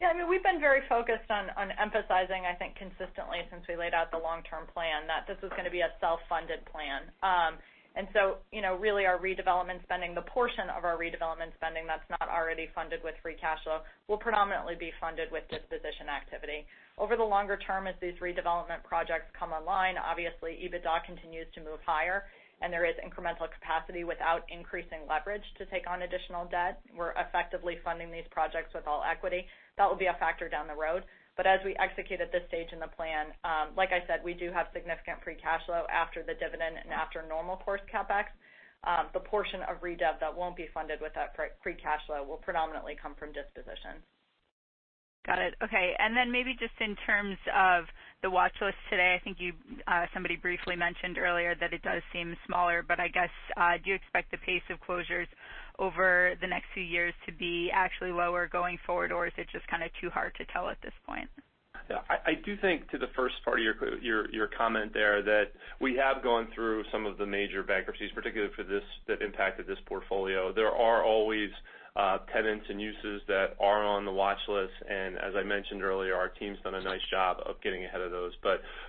Speaker 4: Yeah, we've been very focused on emphasizing, I think, consistently since we laid out the long-term plan, that this was going to be a self-funded plan. Really our redevelopment spending, the portion of our redevelopment spending that's not already funded with free cash flow, will predominantly be funded with disposition activity. Over the longer term, as these redevelopment projects come online, obviously, EBITDA continues to move higher, and there is incremental capacity without increasing leverage to take on additional debt. We're effectively funding these projects with all equity. That will be a factor down the road. As we execute at this stage in the plan, like I said, we do have significant free cash flow after the dividend and after normal course CapEx. The portion of redev that won't be funded with that free cash flow will predominantly come from dispositions.
Speaker 14: Got it. Okay. Maybe just in terms of the watch list today, I think somebody briefly mentioned earlier that it does seem smaller, but I guess, do you expect the pace of closures over the next few years to be actually lower going forward, or is it just kind of too hard to tell at this point?
Speaker 8: I do think to the first part of your comment there, that we have gone through some of the major bankruptcies, particularly that impacted this portfolio. There are always tenants and uses that are on the watch list, and as I mentioned earlier, our team's done a nice job of getting ahead of those.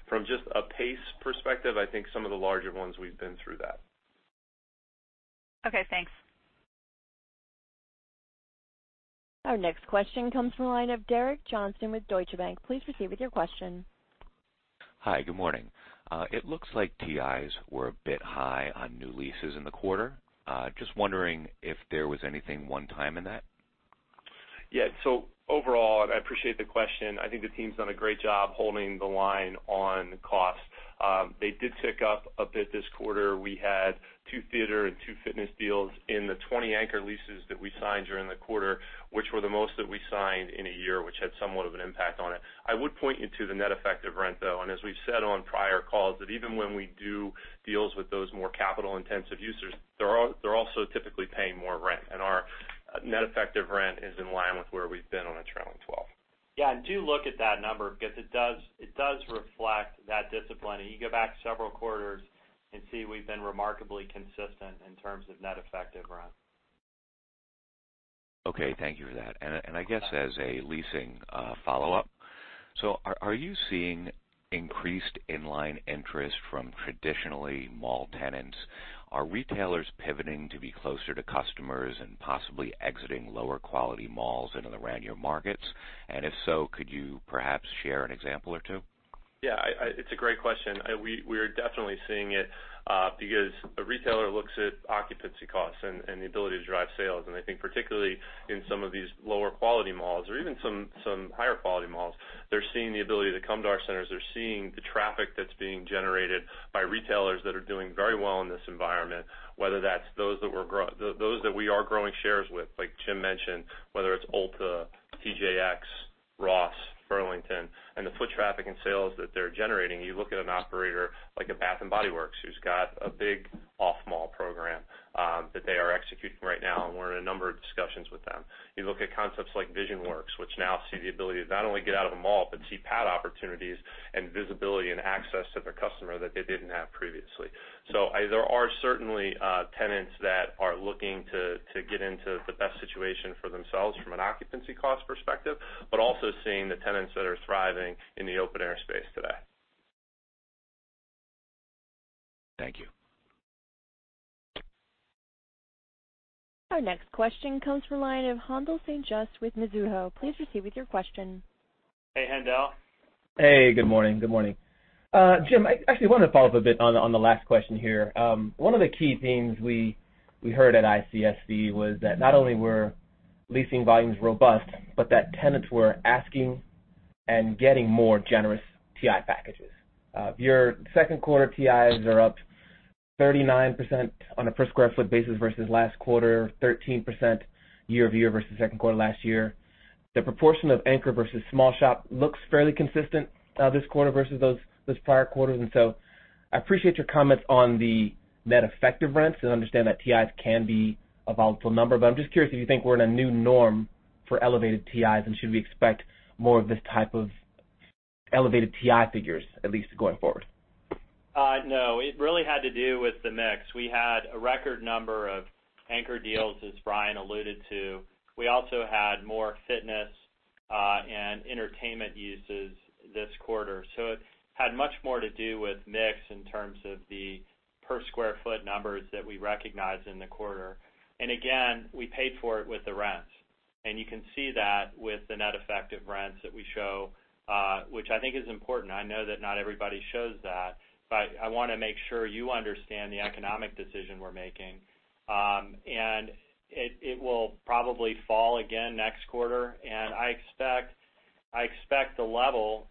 Speaker 8: From just a pace perspective, I think some of the larger ones, we've been through that.
Speaker 14: Okay, thanks.
Speaker 1: Our next question comes from the line of Derek Johnston with Deutsche Bank. Please proceed with your question.
Speaker 15: Hi, good morning. It looks like TIs were a bit high on new leases in the quarter. Just wondering if there was anything one-time in that.
Speaker 8: Overall, and I appreciate the question, I think the team's done a great job holding the line on cost. They did tick up a bit this quarter. We had two theater and two fitness deals in the 20 anchor leases that we signed during the quarter, which were the most that we signed in a year, which had somewhat of an impact on it. I would point you to the net effective rent, though. As we've said on prior calls, that even when we do deals with those more capital-intensive users, they're also typically paying more rent. Our net effective rent is in line with where we've been on a trailing 12.
Speaker 3: Do look at that number, because it does reflect that discipline, and you go back several quarters and see we've been remarkably consistent in terms of net effective rent.
Speaker 15: Okay. Thank you for that. I guess as a leasing follow-up, are you seeing increased in-line interest from traditionally mall tenants? Are retailers pivoting to be closer to customers and possibly exiting lower quality malls into the primary markets? If so, could you perhaps share an example or two?
Speaker 8: Yeah, it's a great question. We are definitely seeing it because a retailer looks at occupancy costs and the ability to drive sales. I think particularly in some of these lower quality malls or even some higher quality malls, they're seeing the ability to come to our centers. They're seeing the traffic that's being generated by retailers that are doing very well in this environment, whether that's those that we are growing shares with, like Jim mentioned, whether it's Ulta, TJX, Ross, Burlington, and the foot traffic and sales that they're generating. You look at an operator like a Bath & Body Works, who's got a big off-mall program that they are executing right now, we're in a number of discussions with them. You look at concepts like Visionworks, which now see the ability to not only get out of a mall, but see pad opportunities and visibility and access to their customer that they didn't have previously. There are certainly tenants that are looking to get into the best situation for themselves from an occupancy cost perspective, but also seeing the tenants that are thriving in the open air space today.
Speaker 15: Thank you.
Speaker 1: Our next question comes from the line of Haendel St. Juste with Mizuho. Please proceed with your question.
Speaker 3: Hey, Haendel.
Speaker 16: Hey, good morning. Jim, I actually wanted to follow up a bit on the last question here. One of the key themes we heard at ICSC was that not only were leasing volumes robust, but that tenants were asking and getting more generous TI packages. Your second quarter TIs are up 39% on a per square foot basis versus last quarter, 13% year-over-year versus second quarter last year. The proportion of anchor versus small shop looks fairly consistent this quarter versus those prior quarters. I appreciate your comments on the net effective rents and understand that TIs can be a volatile number. I'm just curious if you think we're in a new norm for elevated TIs, and should we expect more of this type of elevated TI figures, at least going forward?
Speaker 3: No, it really had to do with the mix. We had a record number of anchor deals, as Brian alluded to. We also had more fitness and entertainment uses this quarter. It had much more to do with mix in terms of the per square foot numbers that we recognized in the quarter. Again, we paid for it with the rents. You can see that with the net effective rents that we show, which I think is important. I know that not everybody shows that, but I want to make sure you understand the economic decision we're making. It will probably fall again next quarter. I expect the level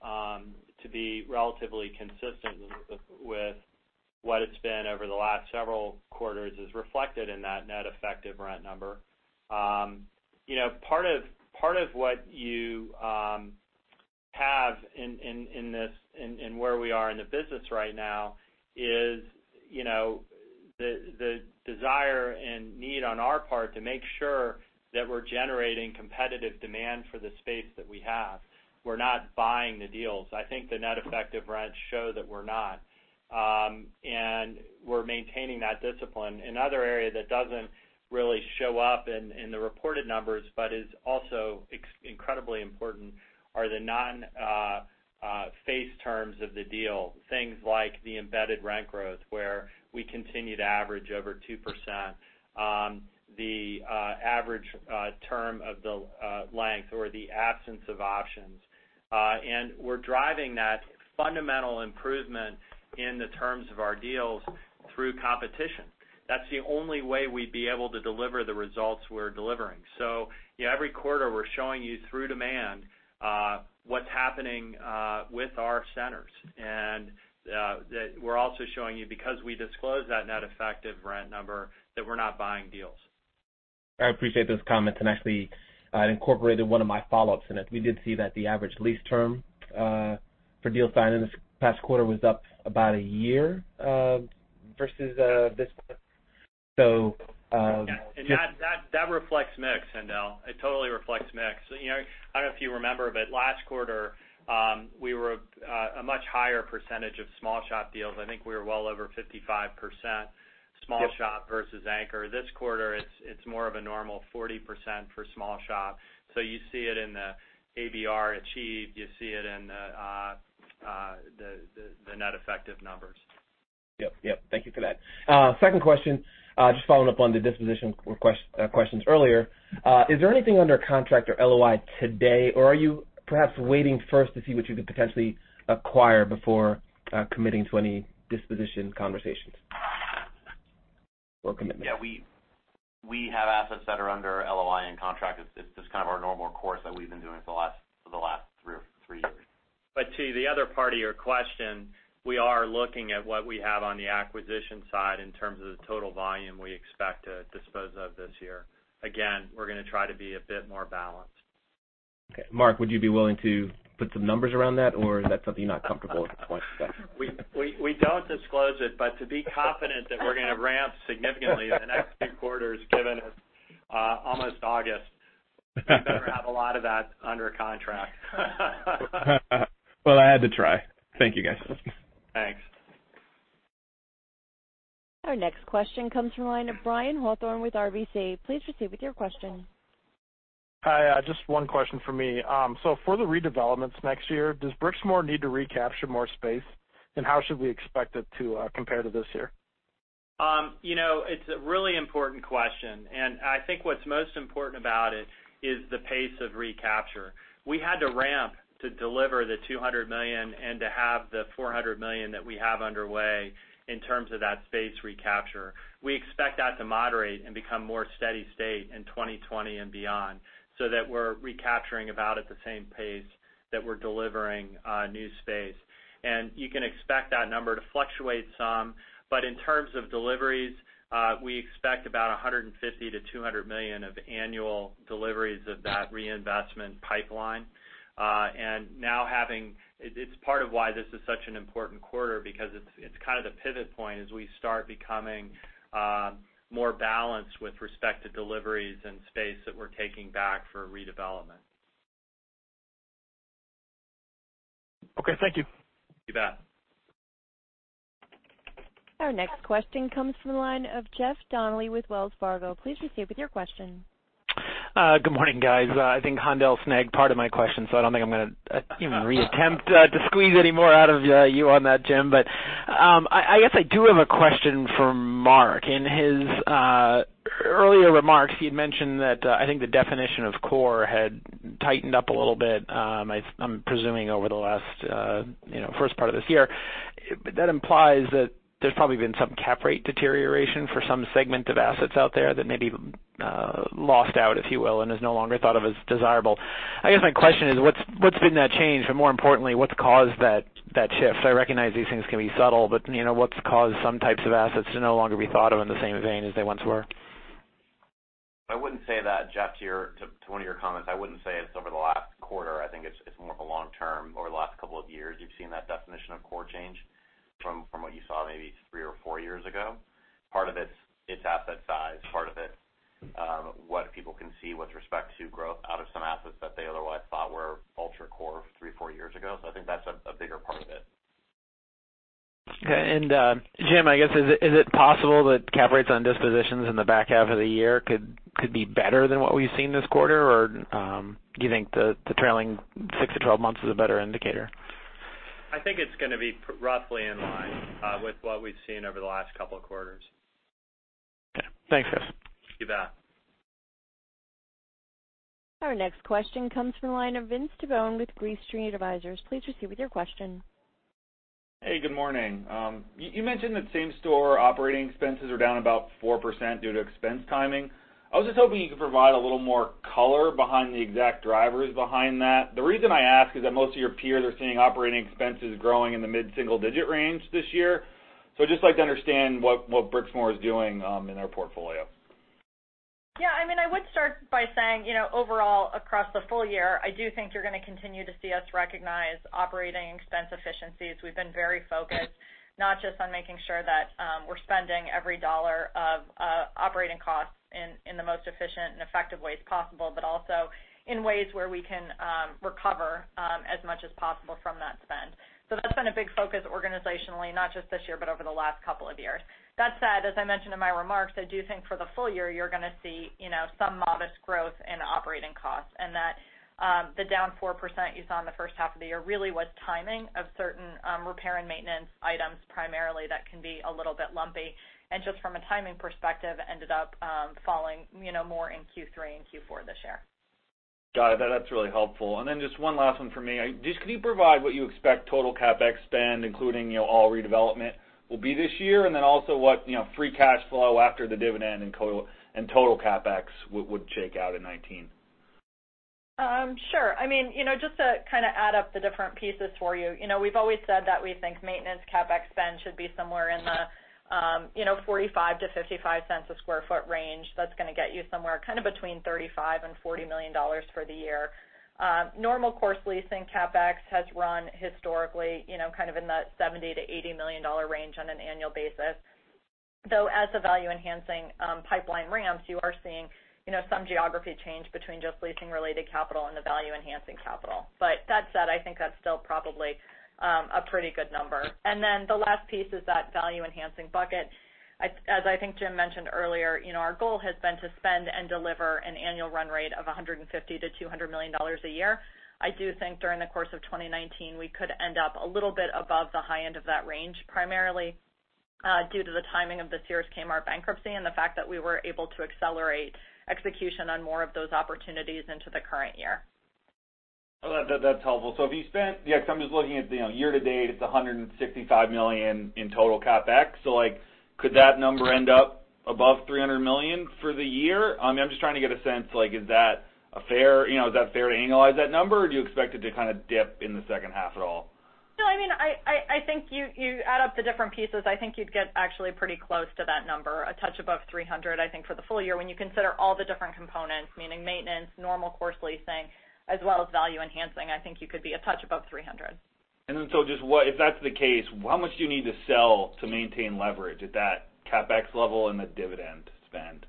Speaker 3: to be relatively consistent with what it's been over the last several quarters as reflected in that net effective rent number. Part of what you have in where we are in the business right now is the desire and need on our part to make sure that we're generating competitive demand for the space that we have. We're not buying the deals. I think the net effective rents show that we're not. We're maintaining that discipline. Another area that doesn't really show up in the reported numbers, but is also incredibly important are the non-face terms of the deal. Things like the embedded rent growth, where we continue to average over 2%. The average term of the length or the absence of options. We're driving that fundamental improvement in the terms of our deals through competition. That's the only way we'd be able to deliver the results we're delivering. Every quarter, we're showing you through demand what's happening with our centers. That we're also showing you, because we disclose that net effective rent number, that we're not buying deals.
Speaker 16: I appreciate those comments and actually, I incorporated one of my follow-ups in it. We did see that the average lease term for deals signed in the past quarter was up about a year versus this quarter.
Speaker 3: That reflects mix, Haendel. It totally reflects mix. I don't know if you remember, but last quarter, we were a much higher percentage of small shop deals. I think we were well over 55% small shop versus anchor. This quarter, it's more of a normal 40% for small shop. You see it in the ABR achieved. You see it in the net effective numbers.
Speaker 16: Yep. Thank you for that. Second question, just following up on the disposition questions earlier. Is there anything under contract or LOI today, or are you perhaps waiting first to see what you could potentially acquire before committing to any disposition conversations or commitments?
Speaker 6: Yeah, we have assets that are under LOI and contract. It's just kind of our normal course that we've been doing for the last three years.
Speaker 3: To the other part of your question, we are looking at what we have on the acquisition side in terms of the total volume we expect to dispose of this year. Again, we're going to try to be a bit more balanced.
Speaker 16: Okay. Mark, would you be willing to put some numbers around that, or is that something you're not comfortable to discuss?
Speaker 3: We don't disclose it, but to be confident that we're going to ramp significantly in the next few quarters, given it's almost August, we better have a lot of that under contract.
Speaker 16: Well, I had to try. Thank you, guys.
Speaker 3: Thanks.
Speaker 1: Our next question comes from the line of Brian Hawthorne with RBC. Please proceed with your question.
Speaker 17: Hi. Just one question from me. For the redevelopments next year, does Brixmor need to recapture more space, and how should we expect it to compare to this year?
Speaker 3: It's a really important question. I think what's most important about it is the pace of recapture. We had to ramp to deliver the $200 million and to have the $400 million that we have underway in terms of that space recapture. We expect that to moderate and become more steady state in 2020 and beyond, that we're recapturing about at the same pace that we're delivering new space. You can expect that number to fluctuate some. In terms of deliveries, we expect about $150 million-$200 million of annual deliveries of that reinvestment pipeline. It's part of why this is such an important quarter because it's kind of the pivot point as we start becoming more balanced with respect to deliveries and space that we're taking back for redevelopment.
Speaker 17: Okay, thank you.
Speaker 1: Our next question comes from the line of Jeff Donnelly with Wells Fargo. Please proceed with your question.
Speaker 18: Good morning, guys. I think Haendel snagged part of my question, so I don't think I'm going to re-attempt to squeeze any more out of you on that, Jim. I guess I do have a question for Mark. In his earlier remarks, he had mentioned that, I think the definition of core had tightened up a little bit, I'm presuming over the first part of this year. That implies that there's probably been some cap rate deterioration for some segment of assets out there that maybe lost out, if you will, and is no longer thought of as desirable. I guess my question is, what's been that change? More importantly, what's caused that shift? I recognize these things can be subtle, but what's caused some types of assets to no longer be thought of in the same vein as they once were?
Speaker 6: I wouldn't say that, Jeff, to one of your comments. I wouldn't say it's over the last quarter. I think it's more of a long-term, over the last couple of years, you've seen that definition of core change from what you saw maybe three or four years ago. Part of it's asset size, part of it, what people can see with respect to growth out of some assets that they otherwise thought were ultra core three, four years ago. I think that's a bigger part of it.
Speaker 18: Okay. Jim, I guess, is it possible that cap rates on dispositions in the back half of the year could be better than what we've seen this quarter? Do you think the trailing 6-12 months is a better indicator?
Speaker 3: I think it's going to be roughly in line with what we've seen over the last couple of quarters.
Speaker 18: Okay. Thanks, guys.
Speaker 3: You bet.
Speaker 1: Our next question comes from the line of Vince Tibone with Green Street Advisors. Please proceed with your question.
Speaker 19: Hey, good morning. You mentioned that same-store operating expenses are down about 4% due to expense timing. I was just hoping you could provide a little more color behind the exact drivers behind that. The reason I ask is that most of your peers are seeing operating expenses growing in the mid-single-digit range this year. I'd just like to understand what Brixmor is doing in their portfolio.
Speaker 4: Yeah. I would start by saying, overall, across the full year, I do think you're going to continue to see us recognize operating expense efficiencies. We've been very focused, not just on making sure that we're spending every dollar of operating costs in the most efficient and effective ways possible, but also in ways where we can recover as much as possible from that spend. That's been a big focus organizationally, not just this year, but over the last couple of years. That said, as I mentioned in my remarks, I do think for the full year, you're going to see some modest growth in operating costs, and that the down 4% you saw in the first half of the year really was timing of certain repair and maintenance items, primarily that can be a little bit lumpy. Just from a timing perspective, ended up falling more in Q3 and Q4 this year.
Speaker 19: Got it. That's really helpful. Just one last one from me. Just could you provide what you expect total CapEx spend, including all redevelopment, will be this year? What free cash flow after the dividend and total CapEx would shake out in 2019?
Speaker 4: Sure. Just to kind of add up the different pieces for you. We've always said that we think maintenance CapEx spend should be somewhere in the $0.45-$0.55 per sq ft range. That's going to get you somewhere kind of between $35 million and $40 million for the year. Normal course leasing CapEx has run historically kind of in that $70 million-$80 million range on an annual basis. As the value-enhancing pipeline ramps, you are seeing some geography change between just leasing-related capital and the value-enhancing capital. That said, I think that's still probably a pretty good number. The last piece is that value-enhancing bucket. As I think Jim mentioned earlier, our goal has been to spend and deliver an annual run rate of $150 million-$200 million a year. I do think during the course of 2019, we could end up a little bit above the high end of that range, primarily due to the timing of the Sears Kmart bankruptcy and the fact that we were able to accelerate execution on more of those opportunities into the current year.
Speaker 19: That's helpful. Yeah, because I'm just looking at year-to-date, it's $165 million in total CapEx. Could that number end up above $300 million for the year? I'm just trying to get a sense, is that fair to annualize that number, or do you expect it to kind of dip in the second half at all?
Speaker 4: No. I think you add up the different pieces, I think you'd get actually pretty close to that number. A touch above $300, I think for the full year, when you consider all the different components, meaning maintenance, normal course leasing, as well as value enhancing, I think you could be a touch above $300.
Speaker 19: If that's the case, how much do you need to sell to maintain leverage at that CapEx level and the dividend spend?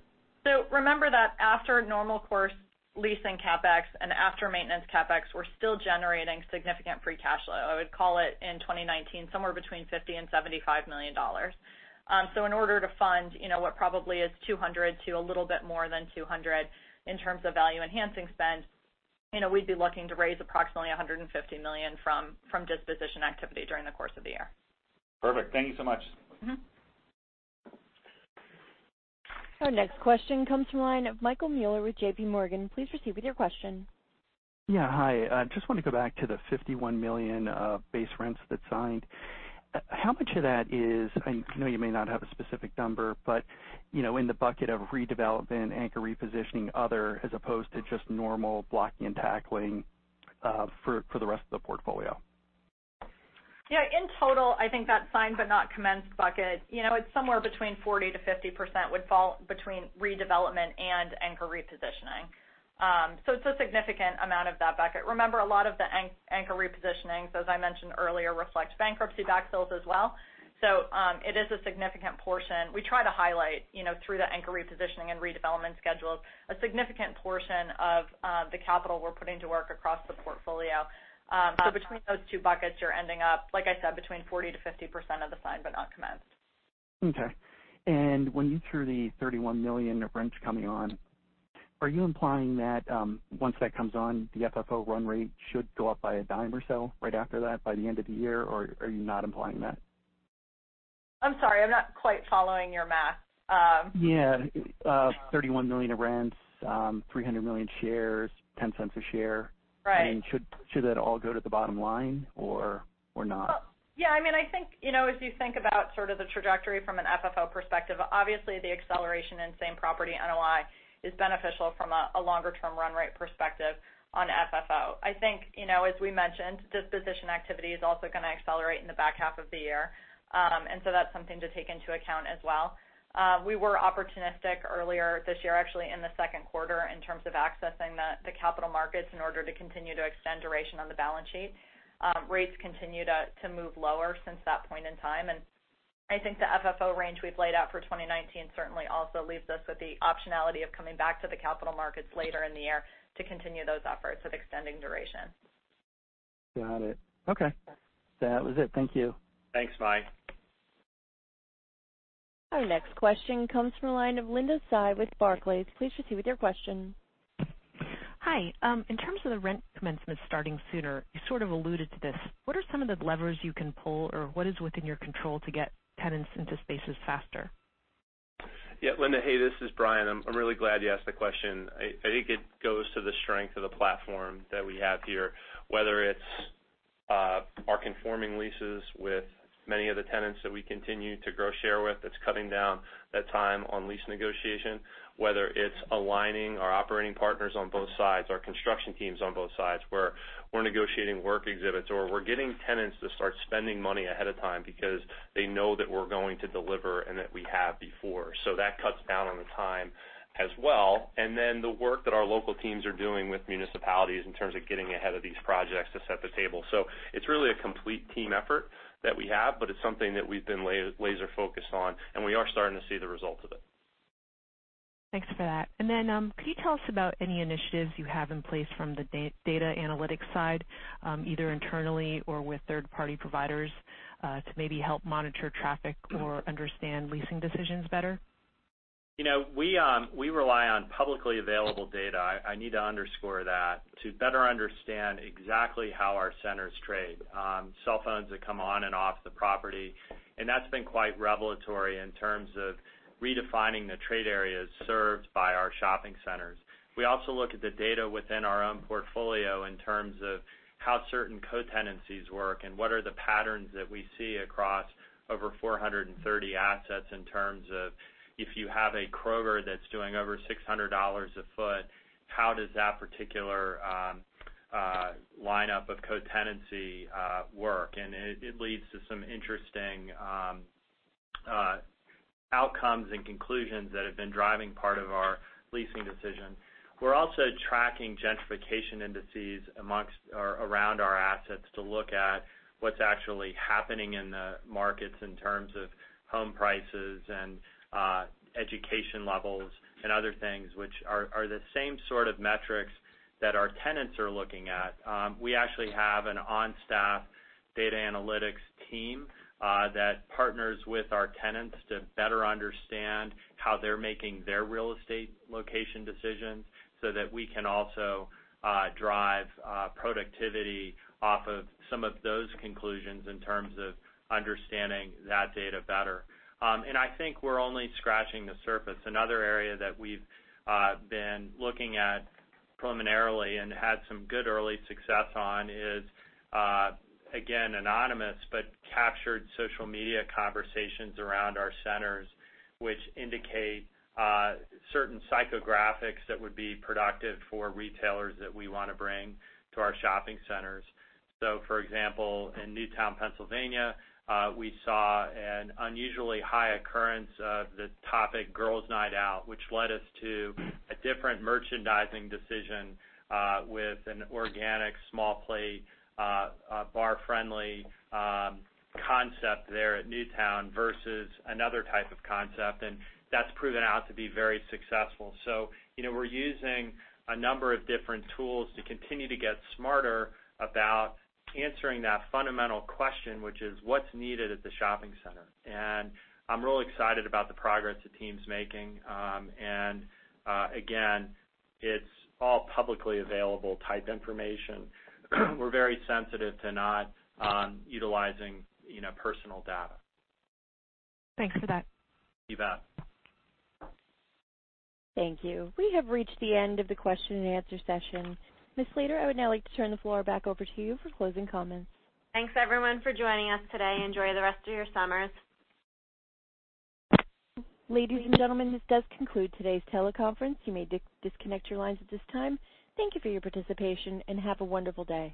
Speaker 4: Remember that after normal course leasing CapEx and after maintenance CapEx, we're still generating significant free cash flow. I would call it in 2019, somewhere between $50 million and $75 million. In order to fund what probably is $200 to a little bit more than $200 in terms of value enhancing spend. We'd be looking to raise approximately $150 million from disposition activity during the course of the year.
Speaker 3: Perfect. Thank you so much.
Speaker 1: Our next question comes from the line of Michael Mueller with JPMorgan. Please proceed with your question.
Speaker 20: Yeah. Hi. Just want to go back to the $51 million of base rents that signed. How much of that is, I know you may not have a specific number, but in the bucket of redevelopment, anchor repositioning, other, as opposed to just normal blocking and tackling, for the rest of the portfolio?
Speaker 4: In total, I think that signed but not commenced bucket, it's somewhere between 40%-50% would fall between redevelopment and anchor repositioning. It's a significant amount of that bucket. Remember, a lot of the anchor repositionings, as I mentioned earlier, reflect bankruptcy backfills as well. It is a significant portion. We try to highlight through the anchor repositioning and redevelopment schedules, a significant portion of the capital we're putting to work across the portfolio. Between those two buckets, you're ending up, like I said, between 40%-50% of the signed but not commenced.
Speaker 20: Okay. When you threw the $31 million of rents coming on, are you implying that once that comes on, the FFO run rate should go up by $0.10 or so right after that by the end of the year, or are you not implying that?
Speaker 4: I'm sorry, I'm not quite following your math.
Speaker 20: Yeah. $31 million of rents, 300 million shares, $0.10 a share. Should that all go to the bottom line or not?
Speaker 4: Yeah, as you think about sort of the trajectory from an FFO perspective, obviously the acceleration in same-property NOI is beneficial from a longer-term run rate perspective on FFO. I think, as we mentioned, disposition activity is also going to accelerate in the back half of the year. That's something to take into account as well. We were opportunistic earlier this year, actually in the second quarter, in terms of accessing the capital markets in order to continue to extend duration on the balance sheet. Rates continue to move lower since that point in time. I think the FFO range we've laid out for 2019 certainly also leaves us with the optionality of coming back to the capital markets later in the year to continue those efforts of extending duration.
Speaker 20: Got it. Okay. That was it. Thank you.
Speaker 3: Thanks, Mike.
Speaker 1: Our next question comes from the line of Linda Tsai with Barclays. Please proceed with your question.
Speaker 21: Hi. In terms of the rent commencement starting sooner, you sort of alluded to this. What are some of the levers you can pull, or what is within your control to get tenants into spaces faster?
Speaker 8: Yeah, Linda. Hey, this is Brian. I'm really glad you asked the question. I think it goes to the strength of the platform that we have here, whether it's our conforming leases with many of the tenants that we continue to grow share with, that's cutting down the time on lease negotiation. Whether it's aligning our operating partners on both sides, our construction teams on both sides, where we're negotiating work exhibits, or we're getting tenants to start spending money ahead of time because they know that we're going to deliver and that we have before. That cuts down on the time as well. Then the work that our local teams are doing with municipalities in terms of getting ahead of these projects to set the table. It's really a complete team effort that we have, but it's something that we've been laser focused on, and we are starting to see the results of it.
Speaker 21: Thanks for that. Could you tell us about any initiatives you have in place from the data analytics side, either internally or with third-party providers, to maybe help monitor traffic or understand leasing decisions better?
Speaker 8: We rely on publicly available data, I need to underscore that, to better understand exactly how our centers trade, cell phones that come on and off the property. That's been quite revelatory in terms of redefining the trade areas served by our shopping centers. We also look at the data within our own portfolio in terms of how certain co-tenancies work and what are the patterns that we see across over 430 assets in terms of, if you have a Kroger that's doing over $600 a foot, how does that particular lineup of co-tenancy work? It leads to some interesting outcomes and conclusions that have been driving part of our leasing decision. We're also tracking gentrification indices around our assets to look at what's actually happening in the markets in terms of home prices and education levels and other things which are the same sort of metrics that our tenants are looking at. We actually have an on-staff data analytics team that partners with our tenants to better understand how they're making their real estate location decisions so that we can also drive productivity off of some of those conclusions in terms of understanding that data better. I think we're only scratching the surface. Another area that we've been looking at preliminarily and had some good early success on is, again, anonymous, but captured social media conversations around our centers, which indicate certain psychographics that would be productive for retailers that we want to bring to our shopping centers. For example, in Newtown, Pennsylvania, we saw an unusually high occurrence of the topic girls' night out, which led us to a different merchandising decision, with an organic small plate, bar-friendly concept there at Newtown versus another type of concept. That's proven out to be very successful. We're using a number of different tools to continue to get smarter about answering that fundamental question, which is what's needed at the shopping center. I'm really excited about the progress the team's making. Again, it's all publicly available type information. We're very sensitive to not utilizing personal data.
Speaker 21: Thanks for that.
Speaker 1: Thank you. We have reached the end of the question-and-answer session. Ms. Slater, I would now like to turn the floor back over to you for closing comments.
Speaker 2: Thanks, everyone, for joining us today. Enjoy the rest of your summers.
Speaker 1: Ladies and gentlemen, this does conclude today's teleconference. You may disconnect your lines at this time. Thank you for your participation, and have a wonderful day.